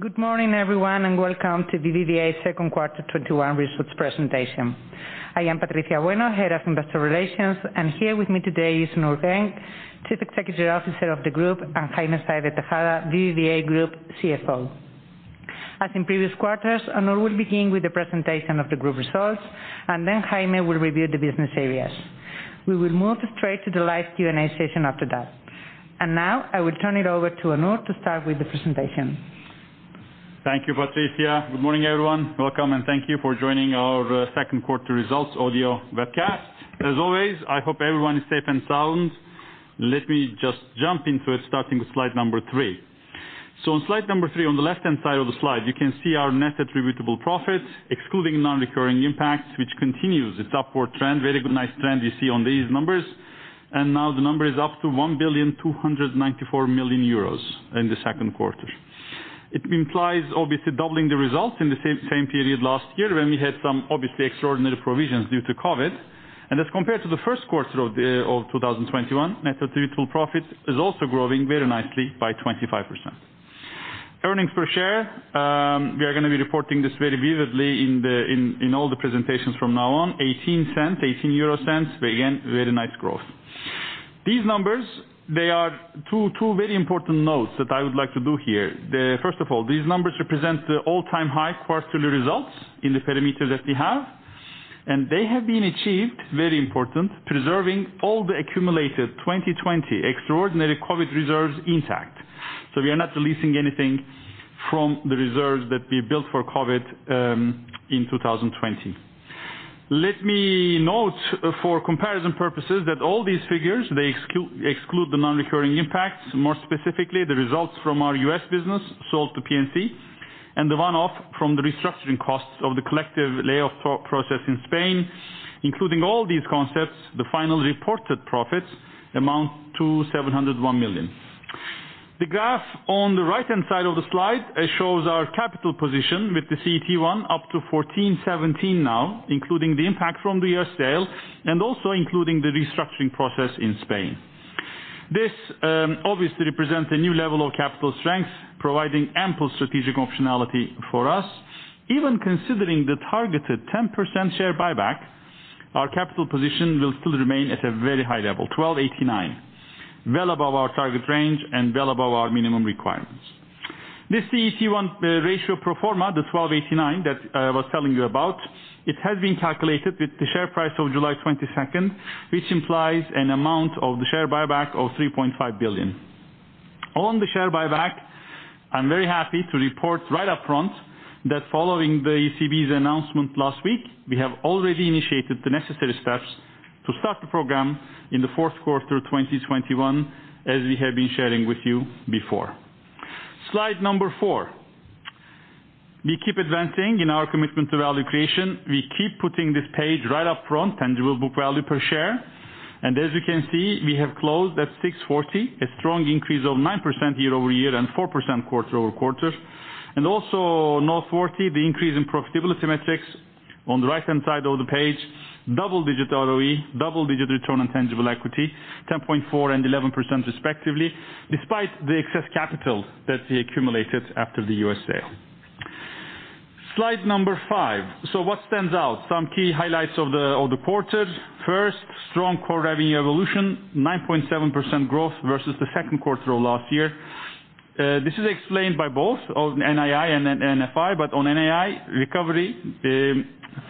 Good morning, everyone, and welcome to BBVA's Q2 2021 results presentation. I am Patricia Bueno, Head of Investor Relations, and here with me today is Onur Genç, Chief Executive Officer of the group, and Jaime Sáenz de Tejada, BBVA Group CFO. As in previous quarters, Onur will begin with the presentation of the group results, then Jaime will review the business areas. We will move straight to the live Q&A session after that. Now, I will turn it over to Onur to start with the presentation. Thank you, Patricia. Good morning, everyone. Welcome, and thank you for joining our Q2 results audio webcast. As always, I hope everyone is safe and sound. Let me just jump into it, starting with slide 3. On slide 3, on the left-hand side of the slide, you can see our net attributable profit, excluding non-recurring impacts, which continues its upward trend very good, nice trend you see on these numbers. The number is up to 1,294 million euros in the Q2. It implies obviously doubling the results in the same period last year when we had some obviously extraordinary provisions due to COVID. As compared to the Q1 of 2021, net attributable profit is also growing very nicely by 25%. Earnings per share, we are going to be reporting this very vividly in all the presentations from now on 0.18, 0.18 again, very nice growth. These numbers, they are two very important notes that I would like to do here, first of all, these numbers represent the all-time high quarterly results in the perimeter that we have. They have been achieved, very important, preserving all the accumulated 2020 extraordinary COVID reserves intact. We are not releasing anything from the reserves that we built for COVID in 2020. Let me note for comparison purposes that all these figures, they exclude the non-recurring impacts, more specifically, the results from our U.S. business sold to PNC, and the one-off from the restructuring costs of the collective layoff process in Spain. Including all these concepts, the final reported profits amount to 701 million. The graph on the right-hand side of the slide shows our capital position with the CET1 up to 14.17% now, including the impact from the U.S. sale and also including the restructuring process in Spain. This obviously represents a new level of capital strength, providing ample strategic optionality for us. Even considering the targeted 10% share buyback, our capital position will still remain at a very high level, 12.89%. Well above our target range and well above our minimum requirements. This CET1 ratio pro forma, the 12.89% that I was telling you about, it has been calculated with the share price of 22 July, which implies an amount of the share buyback of 3.5 billion. On the share buyback, I am very happy to report right up front that following the ECB's announcement last week, we have already initiated the necessary steps to start the program in the Q4 2021, as we have been sharing with you before. Slide number 4. We keep advancing in our commitment to value creation, we keep putting this page right up front, tangible book value per share. As you can see, we have closed at 640, a strong increase of 9% year-over-year and 4% quarter-over-quarter. Also noteworthy, the increase in profitability metrics on the right-hand side of the page. Double digit ROE, double digit return on tangible equity, 10.4 and 11% respectively, despite the excess capital that we accumulated after the U.S. sale. Slide number 5. What stands out? Some key highlights of the quarter, strong core revenue evolution, 9.7% growth versus the Q2 of last year. This is explained by both NII and FI but on NII recovery,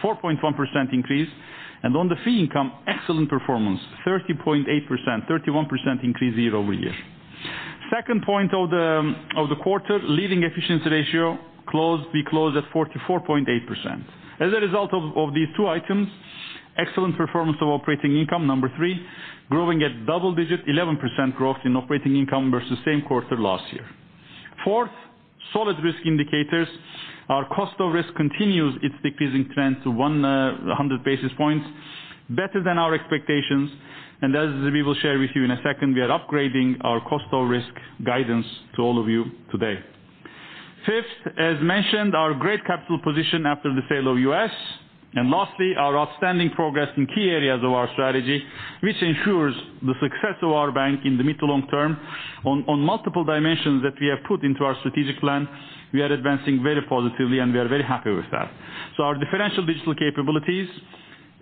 4.1% increase. On the fee income, excellent performance, 30.8%, 31% increase year-over-year. Second point of the quarter, leading efficiency ratio, we closed at 44.8% as a result of these two items, excellent performance of operating income, number three, growing at double digit, 11% growth in operating income versus same quarter last year. Fourth, solid risk indicators. Our cost of risk continues its decreasing trend to 100 basis points. Better than our expectations. As we will share with you in a second, we are upgrading our cost of risk guidance to all of you today. Fifth, as mentioned, our great capital position after the sale of U.S. Lastly, our outstanding progress in key areas of our strategy, which ensures the success of our bank in the mid to long term on multiple dimensions that we have put into our strategic plan. We are advancing very positively, and we are very happy with that. Our differential digital capabilities,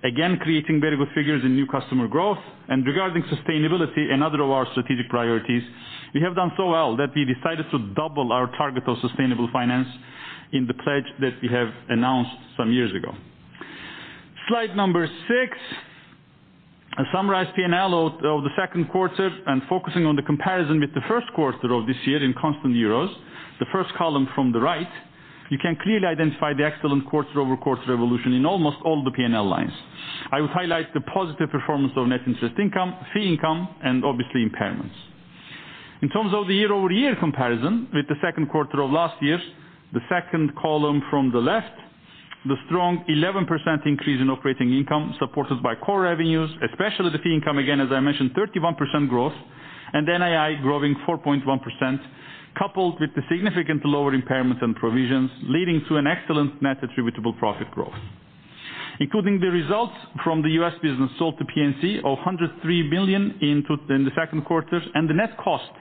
again, creating very good figures in new customer growth. Regarding sustainability another of our strategic priorities, we have done so well that we decided to double our target of sustainable finance in the pledge that we have announced some years ago. Slide number 6. A summarized P&L of the Q2 and focusing on the comparison with the Q1 of this year in constant EUR. The first column from the right, you can clearly identify the excellent quarter-over-quarter evolution in almost all the P&L lines. I would highlight the positive performance of net interest income, fee income, and obviously impairments. In terms of the year-over-year comparison with the Q2 of last year, the second column from the left, the strong 11% increase in operating income supported by core revenues, especially the fee income, again, as I mentioned, 31% growth. And NII growing 4.1%, coupled with the significant lower impairments and provisions leading to an excellent net attributable profit growth. Including the results from the U.S. business sold to PNC of 103 million in the Q2, and the net cost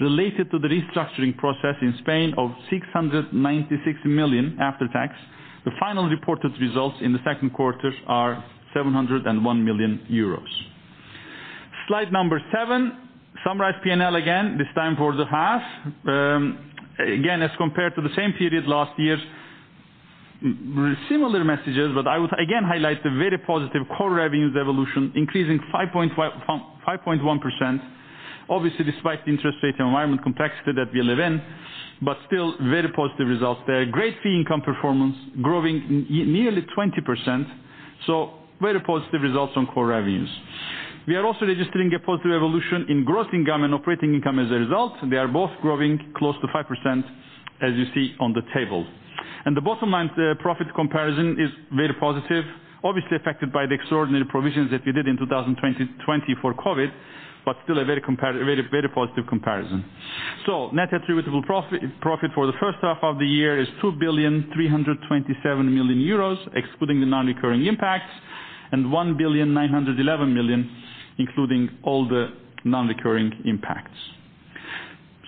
related to the restructuring process in Spain of 696 million after tax. The final reported results in the Q2 are 701 million euros. Slide number 7. Summarize P&L again, this time for the half. As compared to the same period last year, similar messages, but I would again highlight the very positive core revenues evolution, increasing 5.1%, obviously despite the interest rate environment complexity that we live in, but still very positive results there great fee income performance, growing nearly 20%, so very positive results on core revenues. We are also registering a positive evolution in gross income and operating income as a result they are both growing close to 5%, as you see on the table. The bottom line profit comparison is very positive, obviously affected by the extraordinary provisions that we did in 2020 for COVID, but still a very positive comparison. Net attributable profit for the first half of the year is 2,327 million euros, excluding the non-recurring impacts, and 1,911 million, including all the non-recurring impacts.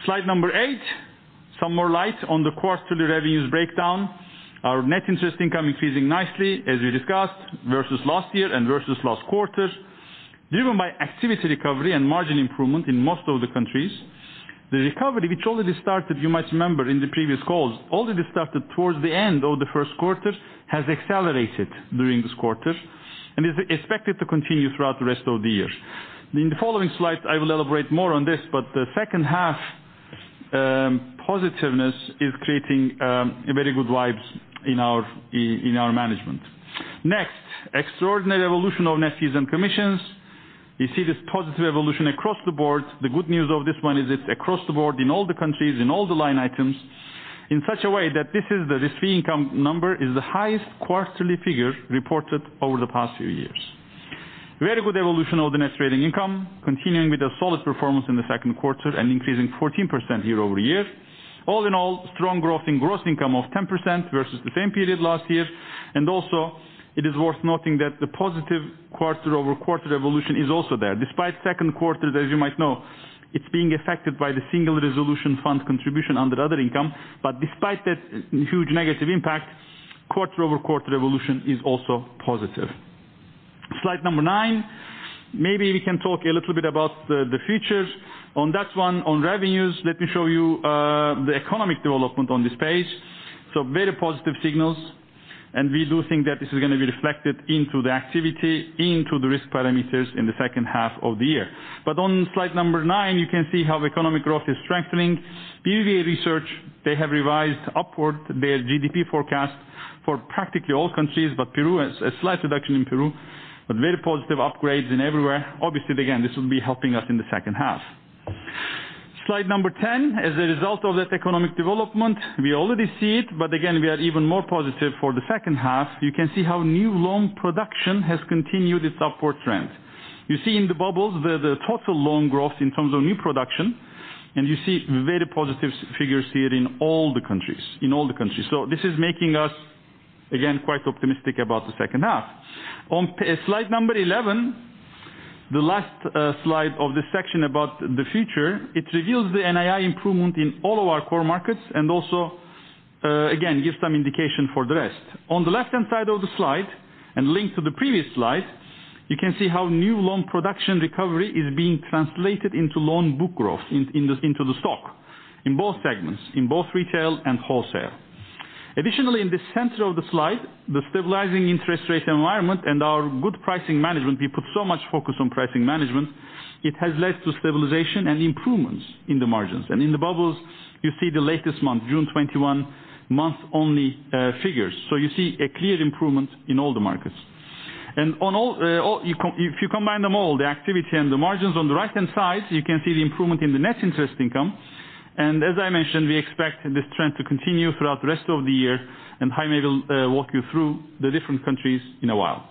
Slide number 8, some more light on the quarterly revenues breakdown. Our net interest income increasing nicely, as we discussed, versus last year and versus last quarter, driven by activity recovery and margin improvement in most of the countries. The recovery, which already started, you might remember in the previous calls, already started towards the end of the Q1, has accelerated during this quarter and is expected to continue throughout the rest of the year. In the following slides, I will elaborate more on this, the second half positiveness is creating very good vibes in our management. Next, extraordinary evolution of net fees and commissions. You see this positive evolution across the board. The good news of this one is it's across the board in all the countries, in all the line items, in such a way that this fee income number is the highest quarterly figure reported over the past few years. Very good evolution of the net trading income, continuing with a solid performance in the Q2 and increasing 14% year-over-year. All in all, strong growth in gross income of 10% versus the same period last year. Also, it is worth noting that the positive quarter-over-quarter evolution is also there despite Q2, as you might know, it's being affected by the Single Resolution Fund contribution under other income. But despite that huge negative impact, quarter-over-quarter evolution is also positive. Slide number 9. Maybe we can talk a little bit about the future. On that one, on revenues, let me show you the economic development on this page. Very positive signals, and we do think that this is going to be reflected into the activity, into the risk parameters in the second half of the year. On slide number 9, you can see how economic growth is strengthening. BBVA Research, they have revised upward their GDP forecast for practically all countries, but Peru, a slight reduction in Peru, but very positive upgrades in everywhere obviously, again, this will be helping us in the second half. Slide number 10. As a result of that economic development, we already see it, but again, we are even more positive for the second half, you can see how new loan production has continued its upward trend. You see in the bubbles the total loan growth in terms of new production, and you see very positive figures here in all the countries, this is making us, again, quite optimistic about the second half. On slide number 11, the last slide of this section about the future, it reveals the NII improvement in all of our core markets and also, again, gives some indication for the rest. On the left-hand side of the slide, and linked to the previous slide, you can see how new loan production recovery is being translated into loan book growth into the stock in both segments, in both retail and wholesale. Additionally, in the center of the slide, the stabilizing interest rate environment and our good pricing management, we put so much focus on pricing management, it has led to stabilization and improvements in the margins and in the bubbles, you see the latest month, June 2021 month-only figures so you see a clear improvement in all the markets. If you combine them all, the activity and the margins on the right-hand side, you can see the improvement in the net interest income. As I mentioned, we expect this trend to continue throughout the rest of the year, and Jaime will walk you through the different countries in a while.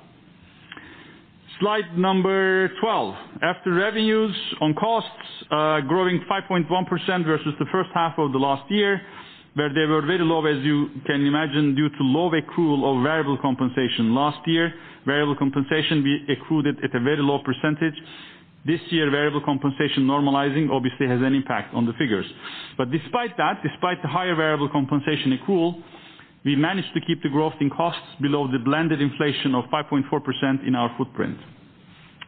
Slide number 12. After revenues on costs, growing 5.1% versus the first half of the last year, where they were very low, as you can imagine, due to low accrual of variable compensation last year, variable compensation we accrued it at a very low percentage. This year, variable compensation normalizing obviously has an impact on the figures. Despite that, despite the higher variable compensation accrual, we managed to keep the growth in costs below the blended inflation of 5.4% in our footprint.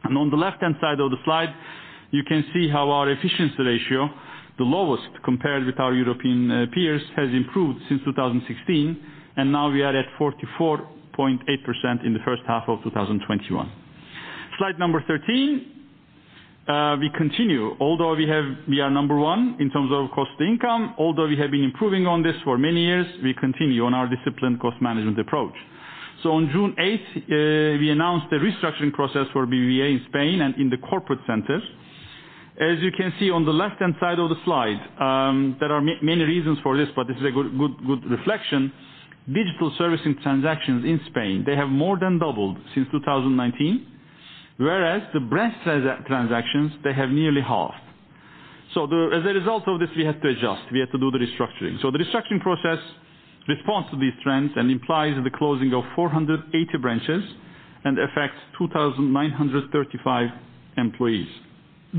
On the left-hand side of the slide, you can see how our efficiency ratio, the lowest compared with our European peers, has improved since 2016, and now we are at 44.8% in the first half of 2021. Slide number 13. We continue although we are number one in terms of cost income, although we have been improving on this for many years, we continue on our disciplined cost management approach. On 8 June, we announced a restructuring process for BBVA in Spain and in the corporate center. As you can see on the left-hand side of the slide, there are many reasons for this, but this is a good reflection. Digital servicing transactions in Spain, they have more than doubled since 2019, whereas the branch transactions, they have nearly halved. As a result of this, we had to adjust, we had to do the restructuring the restructuring process responds to these trends and implies the closing of 480 branches and affects 2,935 employees.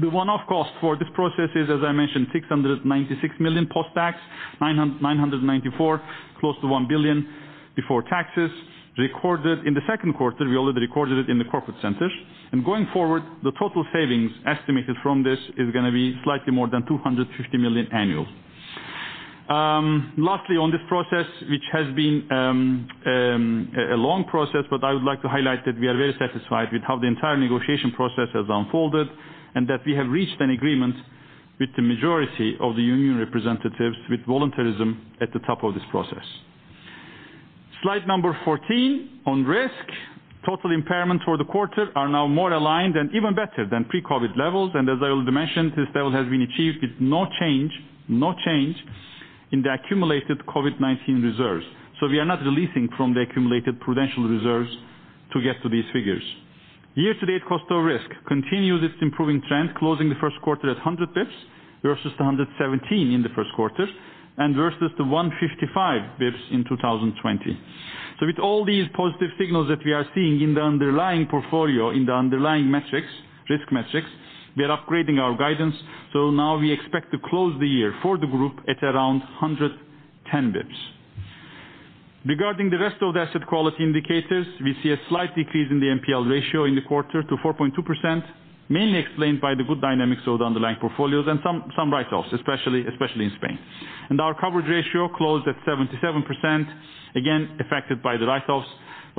The one-off cost for this process is, as I mentioned, 696 million post-tax, 994, close to 1 billion before taxes, recorded in the Q2 we already recorded it in the corporate centers. Going forward, the total savings estimated from this is going to be slightly more than 250 million annual. Lastly, on this process, which has been a long process, but I would like to highlight that we are very satisfied with how the entire negotiation process has unfolded, and that we have reached an agreement with the majority of the union representatives with volunteerism at the top of this process. Slide 14 on risk. Total impairment for the quarter are now more aligned and even better than pre-COVID levels as I already mentioned, this level has been achieved with no change in the accumulated COVID-19 reserves. We are not releasing from the accumulated prudential reserves to get to these figures. Year-to-date cost of risk continues its improving trend, closing the Q1 at 100 basis points versus the 117 basis points in the Q1, and versus the 155 basis points in 2020. With all these positive signals that we are seeing in the underlying portfolio, in the underlying metrics, risk metrics, we are upgrading our guidance. Now we expect to close the year for the group at around 110 basis points. Regarding the rest of the asset quality indicators, we see a slight decrease in the NPL ratio in the quarter to 4.2%, mainly explained by the good dynamics of the underlying portfolios and some write-offs, especially in Spain. Our coverage ratio closed at 77%, again affected by the write-offs.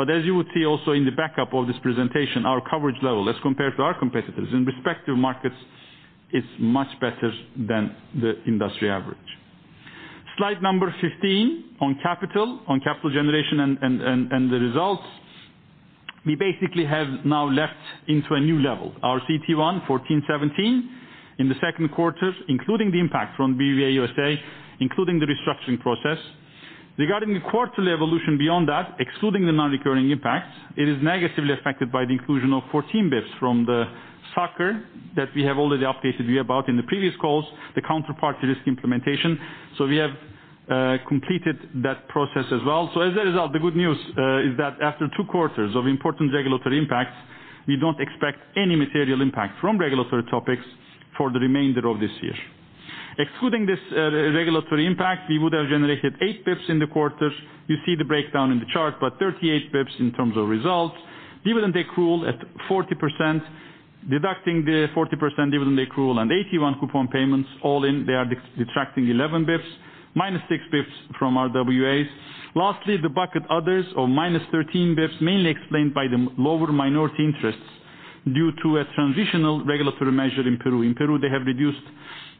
As you would see also in the backup of this presentation, our coverage level as compared to our competitors in respective markets is much better than the industry average. Slide number 15 on capital generation and the results. We basically have now leapt into a new level, our CET1 14.17% in the Q2, including the impact from BBVA USA, including the restructuring process. Regarding the quarterly evolution beyond that, excluding the non-recurring impacts, it is negatively affected by the inclusion of 14 basis points from the SA-CCR that we have already updated you about in the previous calls, the counterparty risk implementation. We have completed that process as well as a result, the good news is that after two quarters of important regulatory impacts, we don't expect any material impact from regulatory topics for the remainder of this year. Excluding this regulatory impact, we would have generated 8 basis points in the quarter, you see the breakdown in the chart, 38 basis points in terms of results. Dividend accrual at 40%, deducting the 40% dividend accrual and AT1 coupon payments all in, they are detracting 11 basis points, -6 basis points from RWAs. The bucket others or -13 basis points mainly explained by the lower minority interests due to a transitional regulatory measure in Peru in Peru, they have reduced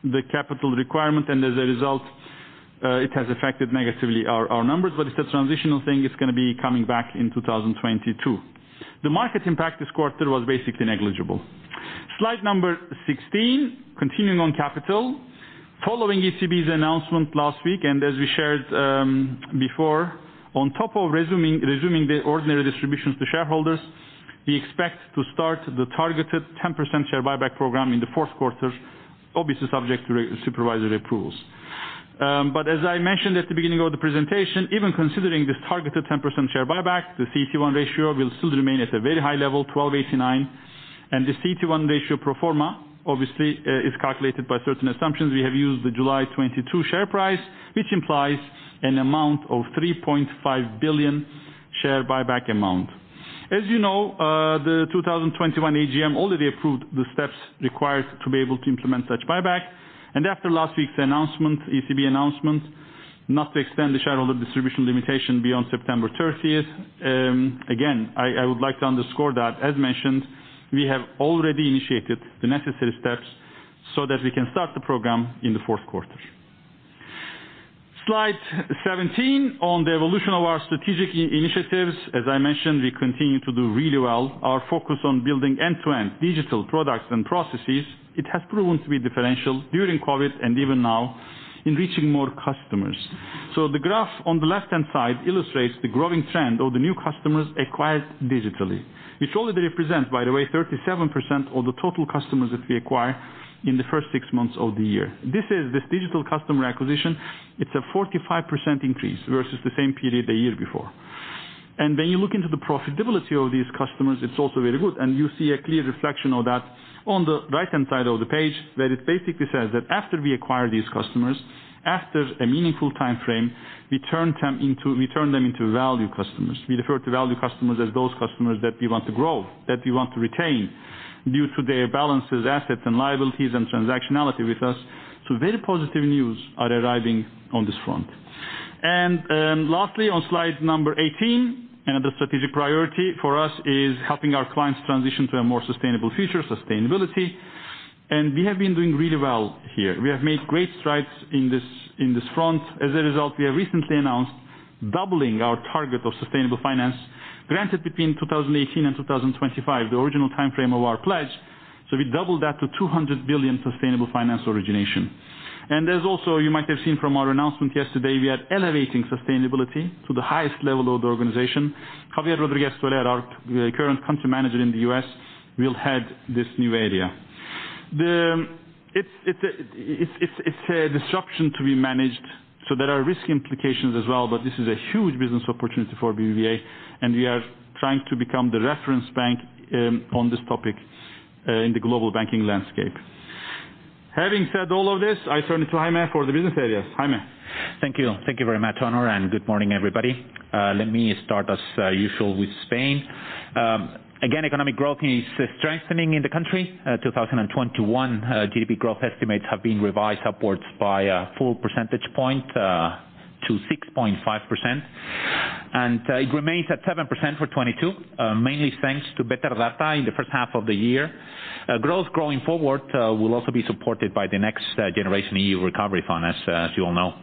the capital requirement and as a result, it has affected negatively our numbers it's a transitional thing it's going to be coming back in 2022. The market impact this quarter was basically negligible. Slide number 16, continuing on capital. Following ECB's announcement last week, and as we shared before, on top of resuming the ordinary distributions to shareholders, we expect to start the targeted 10% share buyback program in the Q4, obviously subject to supervisory approvals. As I mentioned at the beginning of the presentation, even considering this targeted 10% share buyback, the CET1 ratio will still remain at a very high level, 1,289. The CET1 ratio pro forma obviously is calculated by certain assumptions we have used the July 2022 share price, which implies an amount of 3.5 billion share buyback amount. As you know, the 2021 AGM already approved the steps required to be able to implement such buyback. After last week's ECB announcement, not to extend the shareholder distribution limitation beyond 30 September again, I would like to underscore that, as mentioned, we have already initiated the necessary steps so that we can start the program in the Q4. Slide 17 on the evolution of our strategic initiatives. As I mentioned, we continue to do really well, our focus on building end-to-end digital products and processes, it has proven to be differential during COVID and even now in reaching more customers. The graph on the left-hand side illustrates the growing trend of the new customers acquired digitally, which already represent, by the way, 37% of the total customers that we acquire in the first six months of the year this digital customer acquisition, it's a 45% increase versus the same period a year before. When you look into the profitability of these customers, it's also very good and you see a clear reflection of that on the right-hand side of the page, where it basically says that after we acquire these customers, after a meaningful time frame, we turn them into value customers we refer to value customers as those customers that we want to grow, that we want to retain due to their balances, assets and liabilities and transactionality with us. Very positive news are arriving on this front. Lastly, on slide number 18, another strategic priority for us is helping our clients transition to a more sustainable future, sustainability. We have been doing really well here we have made great strides in this front. As a result, we have recently announced doubling our target of sustainable finance granted between 2018 and 2025, the original time frame of our pledge. We doubled that to 200 billion sustainable finance origination. There's also, you might have seen from our announcement yesterday, we are elevating sustainability to the highest level of the organization. Javier Rodríguez Soler, our current country manager in the U.S., will head this new area. It's a disruption to be managed, so there are risk implications as well, but this is a huge business opportunity for BBVA, and we are trying to become the reference bank on this topic, in the global banking landscape. Having said all of this, I turn it to Jaime for the business areas. Jaime? Thank you. Thank you very much, Onur, and good morning, everybody. Let me start, as usual, with Spain. Again, economic growth is strengthening in the country. 2021 GDP growth estimates have been revised upwards by a full percentage point, to 6.5%. It remains at 7% for 2022, mainly thanks to better data in the first half of the year. Growth going forward will also be supported by the Next Generation EU recovery fund, as you all know.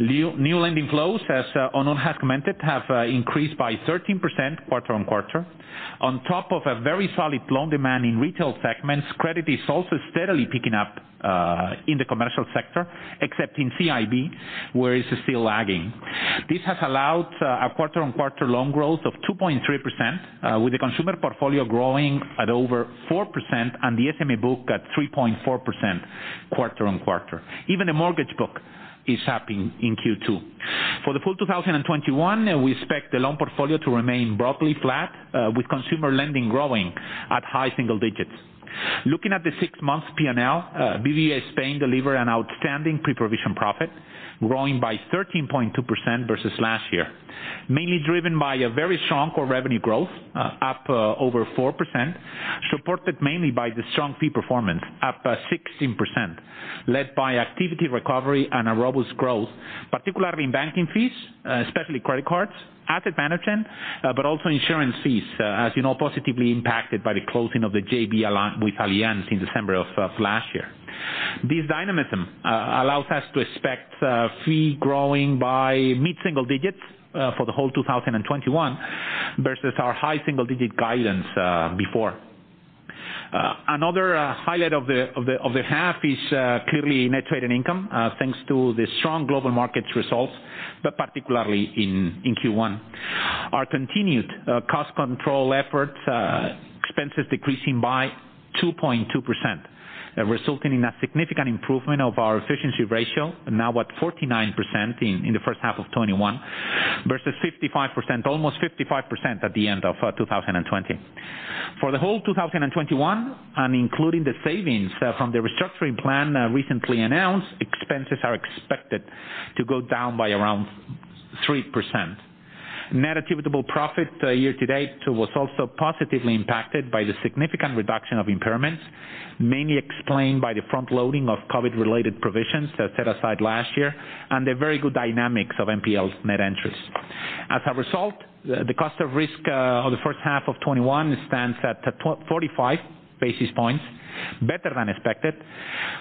New lending flows, as Onur has commented, have increased by 13% quarter-on-quarter. On top of a very solid loan demand in retail segments, credit is also steadily picking up in the commercial sector, except in CIB, where it's still lagging. This has allowed a quarter-on-quarter loan growth of 2.3%, with the consumer portfolio growing at over 4% and the SME book at 3.4% quarter-on-quarter even the mortgage book is happening in Q2. For the full 2021, we expect the loan portfolio to remain broadly flat, with consumer lending growing at high single digits. Looking at the six months P&L, BBVA Spain delivered an outstanding pre-provision profit, growing by 13.2% versus last year, mainly driven by a very strong core revenue growth, up over 4%, supported mainly by the strong fee performance, up 16%, led by activity recovery and a robust growth, particularly in banking fees, especially credit cards, asset management, but also insurance fees, as you know, positively impacted by the closing of the JV alliance with Allianz in December of last year. This dynamism allows us to expect fee growing by mid-single digits for the whole 2021 versus our high single-digit guidance before. Another highlight of the half is clearly net trading income, thanks to the strong global markets results, but particularly in Q1. Our continued cost control efforts, expenses decreasing by 2.2%, resulting in a significant improvement of our efficiency ratio, now at 49% in the first half of 2021 versus 55%, almost 55% at the end of 2020. For the whole 2021, including the savings from the restructuring plan recently announced, expenses are expected to go down by around 3%. Net attributable profit year to date was also positively impacted by the significant reduction of impairments, mainly explained by the front-loading of COVID-related provisions set aside last year, and the very good dynamics of NPL net entries. As a result, the cost of risk of the first half of 2021 stands at 45 basis points, better than expected.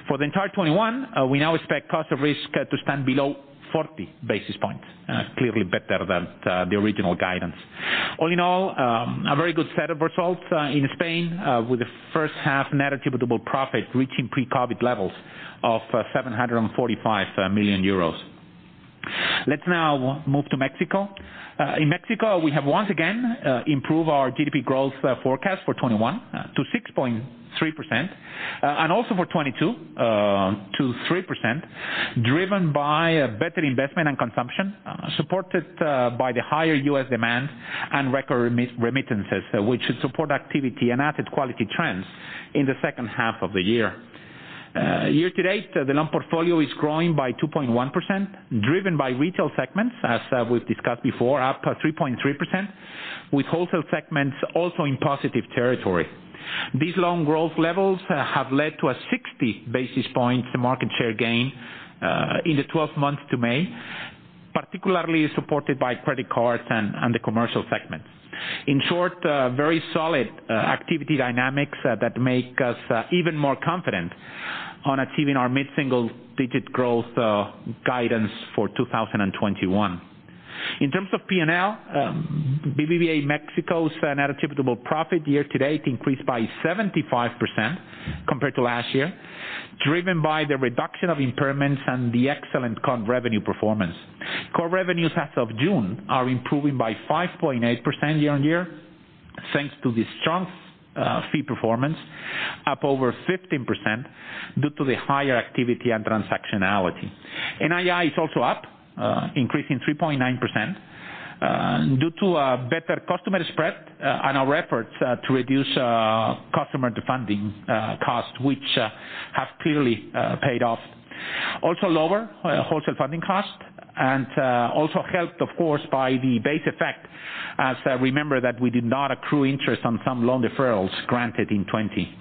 For the entire 2021, we now expect cost of risk to stand below 40 basis points, clearly better than the original guidance. All in all, a very good set of results in Spain, with the first half net attributable profit reaching pre-COVID levels of 745 million euros. Let's now move to Mexico. In Mexico, we have once again improved our GDP growth forecast for 2021 to 6.3%, and also for 2022 to 3%, driven by better investment and consumption, supported by the higher U.S. demand and record remittances, which should support activity and asset quality trends in the second half of the year. Year to date, the loan portfolio is growing by 2.1%, driven by retail segments, as we've discussed before, up 3.3%, with wholesale segments also in positive territory. These loan growth levels have led to a 60 basis points market share gain in the 12 months to May, particularly supported by credit cards and the commercial segment. In short, very solid activity dynamics that make us even more confident on achieving our mid-single digit growth guidance for 2021. In terms of P&L, BBVA México's net attributable profit year to date increased by 75% compared to last year, driven by the reduction of impairments and the excellent core revenue performance. Core revenues as of June are improving by 5.8% year-on-year, thanks to the strong fee performance up over 15% due to the higher activity and transactionality. NII is also up, increasing 3.9%, due to a better customer spread on our efforts to reduce customer defunding costs, which have clearly paid off. Also lower wholesale funding costs, also helped, of course, by the base effect, as remember that we did not accrue interest on some loan deferrals granted in 2020.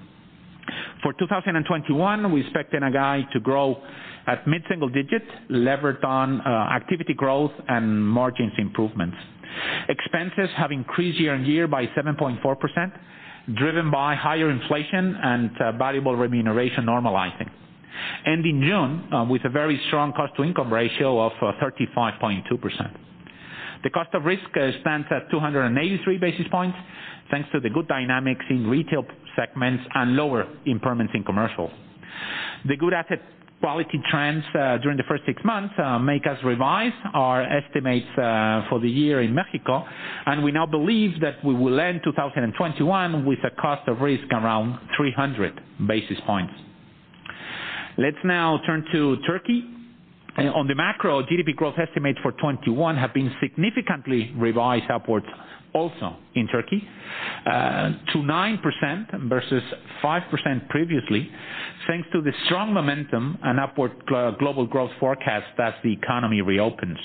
For 2021, we expect NII to grow at mid-single digits, levered on activity growth and margins improvements. Expenses have increased year-on-year by 7.4%, driven by higher inflation and variable remuneration normalizing. In June, with a very strong cost-to-income ratio of 35.2%. The cost of risk stands at 283 basis points, thanks to the good dynamics in retail segments and lower impairments in commercial. The good asset quality trends during the first six months make us revise our estimates for the year in Mexico, and we now believe that we will end 2021 with a cost of risk around 300 basis points. Let's now turn to Turkey. On the macro, GDP growth estimates for 2021 have been significantly revised upwards, also in Turkey, to 9% versus 5% previously, thanks to the strong momentum and upward global growth forecast that the economy reopens.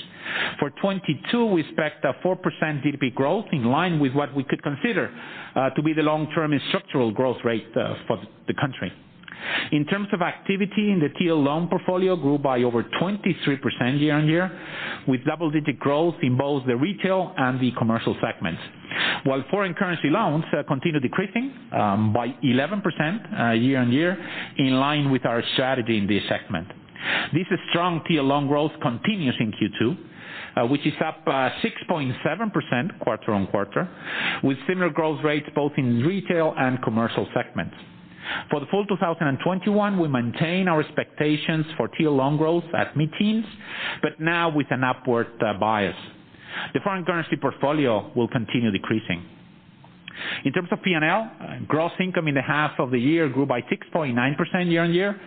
For 2022, we expect a 4% GDP growth in line with what we could consider to be the long-term structural growth rate for the country. In terms of activity, the TL loan portfolio grew by over 23% year-on-year, with double-digit growth in both the retail and the commercial segments. While foreign currency loans continue decreasing by 11% year-on-year, in line with our strategy in this segment. This strong TL loan growth continues in Q2, which is up 6.7% quarter-on-quarter, with similar growth rates both in retail and commercial segments. For the full 2021, we maintain our expectations for TL long growth at mid-teens, but now with an upward bias. The foreign currency portfolio will continue decreasing. In terms of P&L, gross income in the half of the year grew by 6.9% year-on-year,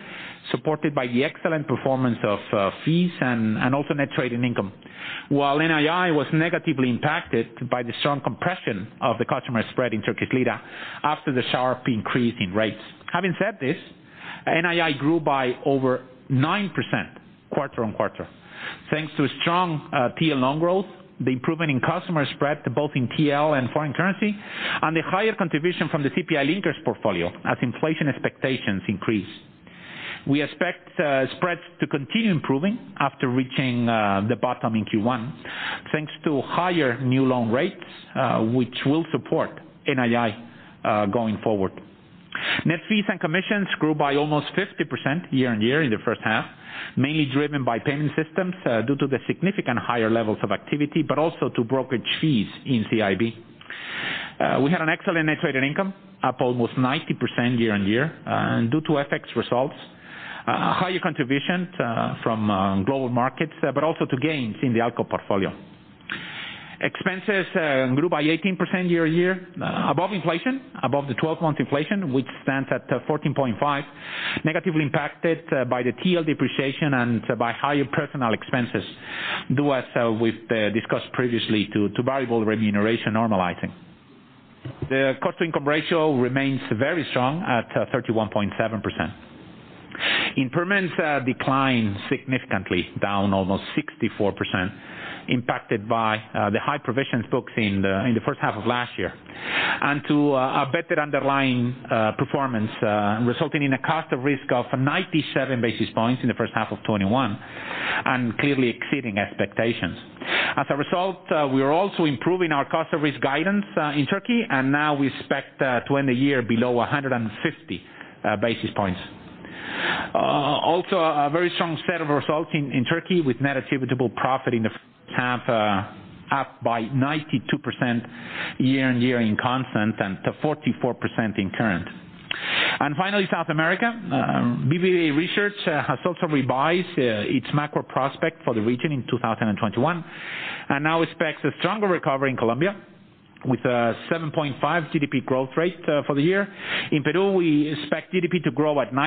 supported by the excellent performance of fees and also net trading income. While NII was negatively impacted by the strong compression of the customer spread in Turkish lira after the sharp increase in rates. Having said this, NII grew by over 9% quarter-on-quarter, thanks to strong TL loan growth, the improvement in customer spread, both in TL and foreign currency, and the higher contribution from the CPI linkers portfolio as inflation expectations increase. We expect spreads to continue improving after reaching the bottom in Q1, thanks to higher new loan rates, which will support NII going forward. Net fees and commissions grew by almost 50% year-on-year in the first half, mainly driven by payment systems due to the significant higher levels of activity, but also to brokerage fees in CIB. We had an excellent net trading income, up almost 90% year-on-year, due to FX results, higher contributions from global markets, but also to gains in the ALCO portfolio. Expenses grew by 18% year-on-year, above inflation, above the 12-month inflation, which stands at 14.5%, negatively impacted by the TL depreciation and by higher personal expenses, due, as we've discussed previously, to variable remuneration normalizing. The cost income ratio remains very strong at 31.7%. Impairment decline significantly down almost 64%, impacted by the high provisions booked in the first half of last year, and to a better underlying performance, resulting in a cost of risk of 97 basis points in the first half of 2021. Clearly exceeding expectations. As a result, we are also improving our cost of risk guidance in Turkey and now we expect to end the year below 150 basis points. Also, a very strong set of results in Turkey with net attributable profit in the half up by 92% year-on-year in constant to 44% in current. Finally, South America. BBVA Research has also revised its macro prospect for the region in 2021. Now expects a stronger recovery in Colombia with a 7.5% GDP growth rate for the year. In Peru, we expect GDP to grow at 9%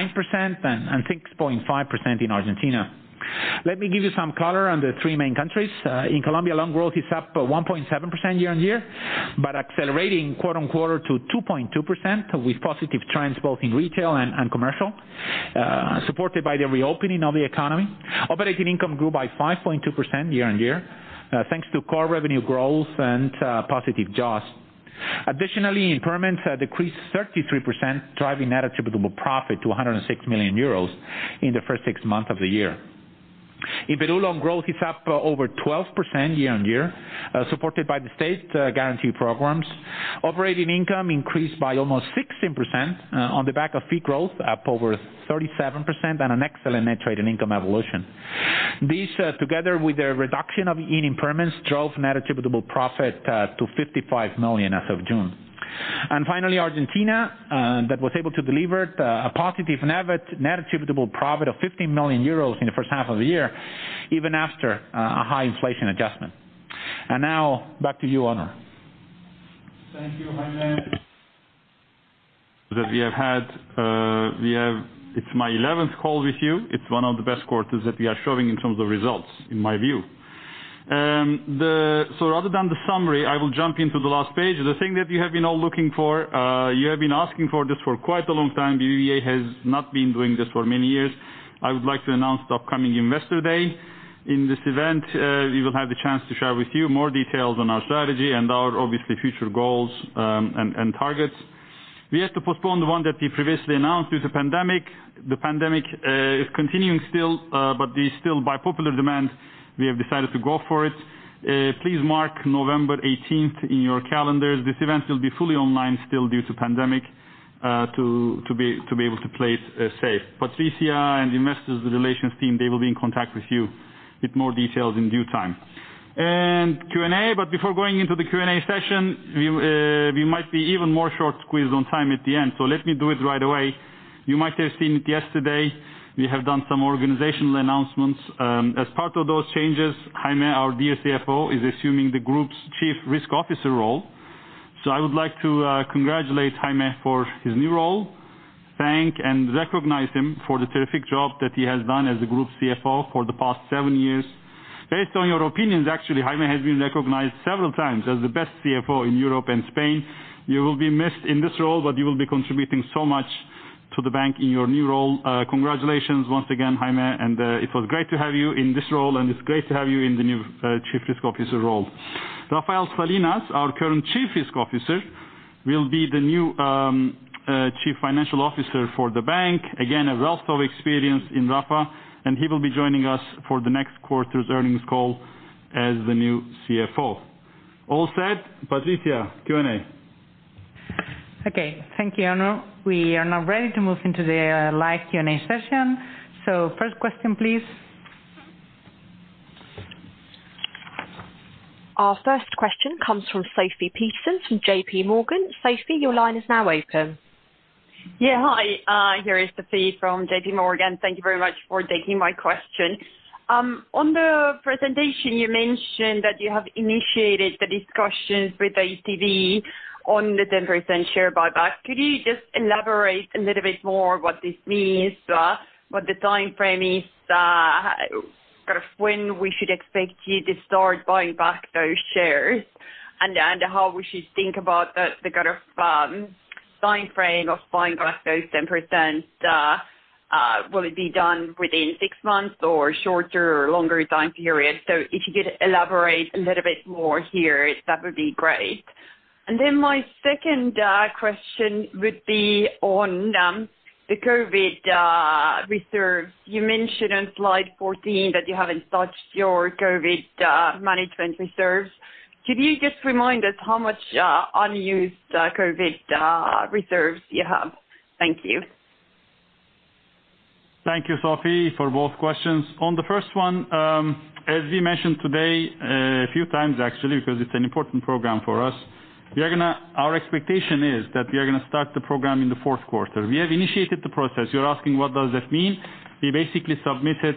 and 6.5% in Argentina. Let me give you some color on the three main countries. In Colombia, loan growth is up 1.7% year-on-year, but accelerating quarter-on-quarter to 2.2% with positive trends both in retail and commercial, supported by the reopening of the economy. Operating income grew by 5.2% year-on-year, thanks to core revenue growth and positive jaws. Additionally, impairments decreased 33%, driving net attributable profit to 106 million euros in the first six months of the year. In Peru, loan growth is up over 12% year-on-year, supported by the state guarantee programs. Operating income increased by almost 16% on the back of fee growth up over 37% and an excellent net trading income evolution. This, together with the reduction in impairments, drove net attributable profit to 55 million as of June. Finally, Argentina, that was able to deliver a positive net attributable profit of 15 million euros in the first half of the year, even after a high inflation adjustment. Now back to you, Onur. Thank you, Jaime. That we have had, it's my 11th call with you. It's one of the best quarters that we are showing in terms of results, in my view. Rather than the summary, I will jump into the last page the thing that you have been all looking for, you have been asking for this for quite a long time BBVA has not been doing this for many years. I would like to announce the upcoming Investor Day. In this event, we will have the chance to share with you more details on our strategy and our, obviously, future goals and targets. We had to postpone the one that we previously announced due to pandemic. The pandemic is continuing still by popular demand, we have decided to go for it. Please mark 18 November in your calendars this event will be fully online still due to pandemic, to be able to play it safe. Patricia and the Investor Relations team will be in contact with you with more details in due time. Q&A. Before going into the Q&A session, we might be even more short squeezed on time at the end, so let me do it right away. You might have seen it yesterday, we have done some organizational announcements. As part of those changes, Jaime, our dear CFO, is assuming the group's Chief Risk Officer role. I would like to congratulate Jaime for his new role, thank and recognize him for the terrific job that he has done as the group CFO for the past seven years. Based on your opinions, actually, Jaime has been recognized several times as the best CFO in Europe and Spain. You will be missed in this role, but you will be contributing so much to the bank in your new role congratulations once again, Jaime, and it was great to have you in this role, and it's great to have you in the new Chief Risk Officer role. Rafael Salinas, our current Chief Risk Officer, will be the new Chief Financial Officer for the bank. Again, a wealth of experience in Rafa, and he will be joining us for the next quarter's earnings call as the new CFO. All set, Patricia, Q&A. Okay, thank you, Onur. We are now ready to move into the live Q&A session. First question, please. Our first question comes from Sofie Peterzens from J.P. Morgan. Sofie, your line is now open. Hi, here is Sofie from J.P. Morgan. Thank you very much for taking my question. On the presentation, you mentioned that you have initiated the discussions with the ECB on the 10% share buyback could you just elaborate a little bit more what this means? what the timeframe is? when we should expect you to start buying back those shares? How we should think about the kind of timeframe of buying back those 10%? will it be done within six months or shorter or longer time period? If you could elaborate a little bit more here, that would be great. My second question would be on the COVID reserves yu mentioned on slide 14 that you haven't touched your COVID management reserves. Could you just remind us how much unused COVID reserves you have? Thank you. Thank you, Sofie, for both questions. On the first one, as we mentioned today, a few times, actually, because it's an important program for us. Our expectation is that we are going to start the program in the Q4. We have initiated the process you're asking, what does that mean? We basically submitted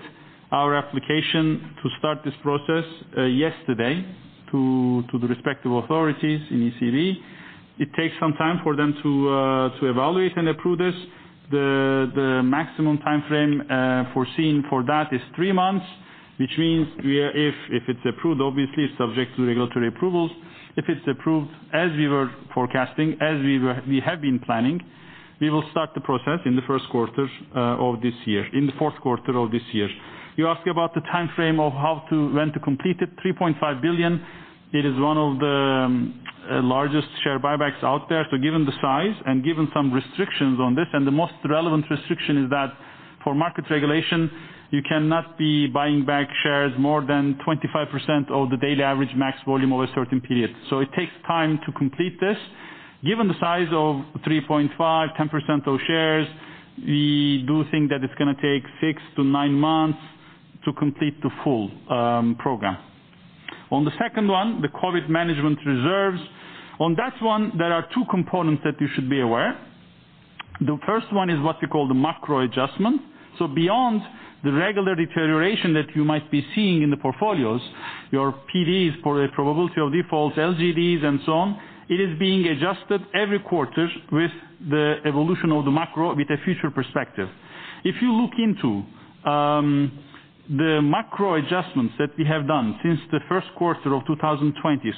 our application to start this process yesterday to the respective authorities in ECB. It takes some time for them to evaluate and approve this. The maximum timeframe foreseen for that is three months, which means if it's approved, obviously subject to regulatory approvals, if it's approved as we were forecasting, as we have been planning, we will start the process in the Q4 of this year. You ask about the timeframe of when to complete it 3.5 billion, it is one of the largest share buybacks out there given the size and given some restrictions on this, and the most relevant restriction is that for market regulation, you cannot be buying back shares more than 25% of the daily average max volume over a certain period so it takes time to complete this. Given the size of 3.5, 10% of shares, we do think that it's going to take six to nine months to complete the full program. On the second one, the COVID management reserves. On that one, there are two components that you should be aware. The first one is what we call the macro adjustment. Beyond the regular deterioration that you might be seeing in the portfolios, your PDs, probability of defaults, LGDs, and so on, it is being adjusted every quarter with the evolution of the macro with a future perspective. If you look into the macro adjustments that we have done since the Q1 of 2020,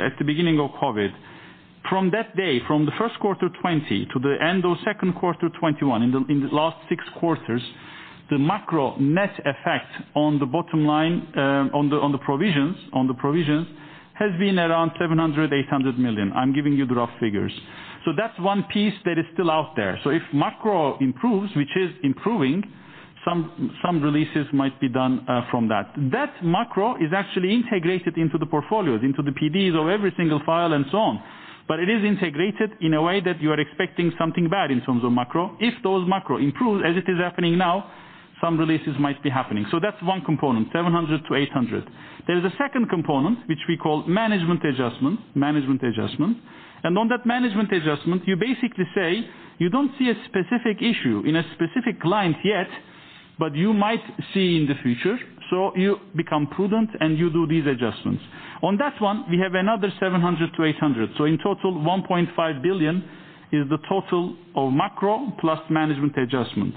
at the beginning of COVID, from that day, from the Q1 2020 to the end of Q2 2021, in the last six quarters, the macro net effect on the bottom line, on the provisions, has been around 700 million-800 million i'm giving you the rough figures. That's one piece that is still out there. If macro improves, which is improving, some releases might be done from that. That macro is actually integrated into the portfolios, into the PDs of every single file and so on. It is integrated in a way that you are expecting something bad in terms of macro if those macro improve as it is happening now, some releases might be happening that's one component, 700 million-800 million. There is a second component, which we call management adjustment. On that management adjustment, you basically say you do not see a specific issue in a specific client yet, but you might see in the future. You become prudent and you do these adjustments. On that one, we have another 700 million-800 million. In total, 1.5 billion is the total of macro plus management adjustment.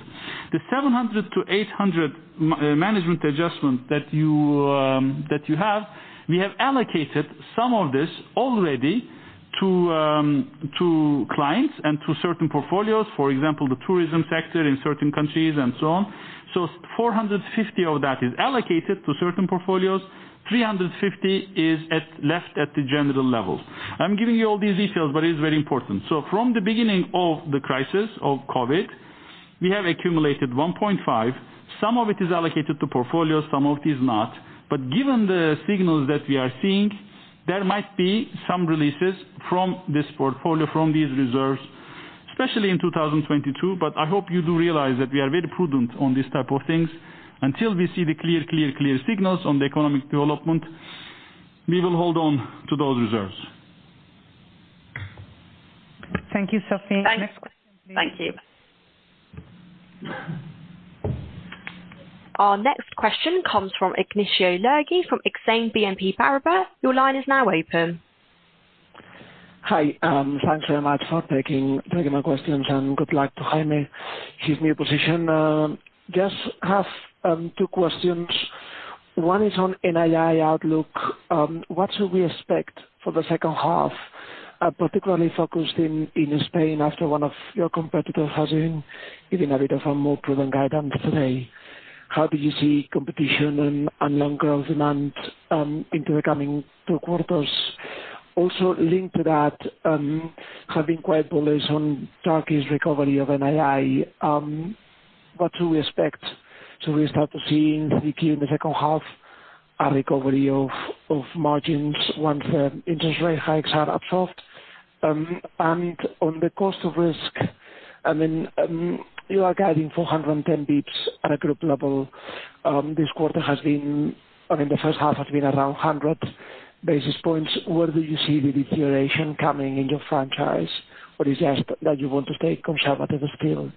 The 700 million-800 million management adjustment that you have, we have allocated some of this already to clients and to certain portfolios for example, the tourism sector in certain countries and so on. 450 million of that is allocated to certain portfolios. 350 million is left at the general level. I'm giving you all these details, but it is very important so from the beginning of the crisis of COVID, we have accumulated 1.5 billion some of it is allocated to portfolios, some of it is not. Given the signals that we are seeing, there might be some releases from this portfolio, from these reserves. Especially in 2022 i hope you do realize that we are very prudent on these type of things. Until we see the clear signals on the economic development, we will hold on to those reserves. Thank you, Sofie. Thanks. Next question, please. Thank you. Our next question comes from Ignacio Ulargui from Exane BNP Paribas. Your line is now open. Hi. Thanks very much for taking my questions, and good luck to Jaime his new position. Just have two questions. One is on NII outlook. What should we expect for the second half? particularly focused in Spain after one of your competitors has been giving a bit of a more proven guidance today? How do you see competition and loan growth demand into the coming two quarters? Also linked to that, have been quite bullish on Turkey's recovery of NII. What should we expect? Should we start to see in Q3, in the second half, a recovery of margins once interest rate hikes are absorbed? On the cost of risk, you are guiding 410 basis points at a group level. The first half has been around 100 basis points where do you see the deterioration coming in your franchise? or is it that you want to stay conservative still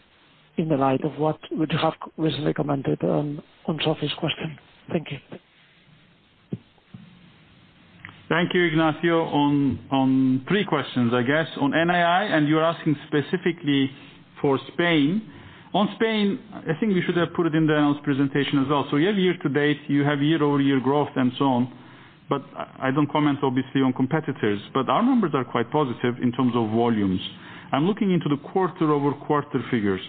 in the light of what you have recently commented on Sofie's question? Thank you. Thank you, Ignacio. On three questions, I guess on NII, you're asking specifically for Spain. On Spain, I think we should have put it in the announced presentation as well year-to-date, you have year-over-year growth and so on. I don't comment, obviously, on competitors. Our numbers are quite positive in terms of volumes. I'm looking into the quarter-over-quarter figures.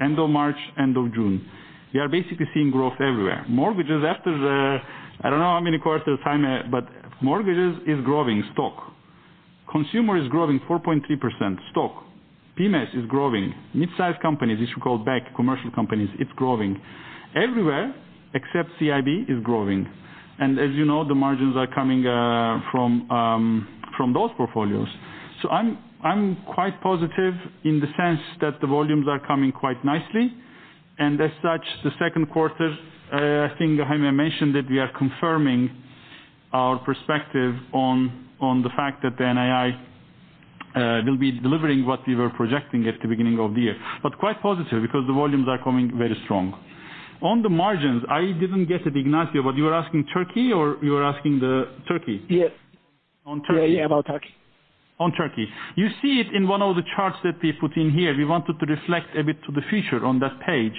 End of March, end of June. We are basically seeing growth everywhere, mortgages after the, I don't know how many quarters, Jaime, mortgages is growing, stock. Consumer is growing 4.3%, stock. SMEs is growing, midsize companies, which we call back commercial companies, it's growing. Everywhere, except CIB, is growing. As you know, the margins are coming from those portfolios. I'm quite positive in the sense that the volumes are coming quite nicely. As such, the Q2, I think Jaime mentioned that we are confirming our perspective on the fact that the NII will be delivering what we were projecting at the beginning of the year quite positive because the volumes are coming very strong. On the margins, I didn't get it, Ignacio, but you were asking Turkey or you were asking the Turkey? Yes. On Turkey? About Turkey. On Turkey. You see it in one of the charts that we put in here we wanted to reflect a bit to the future on that page.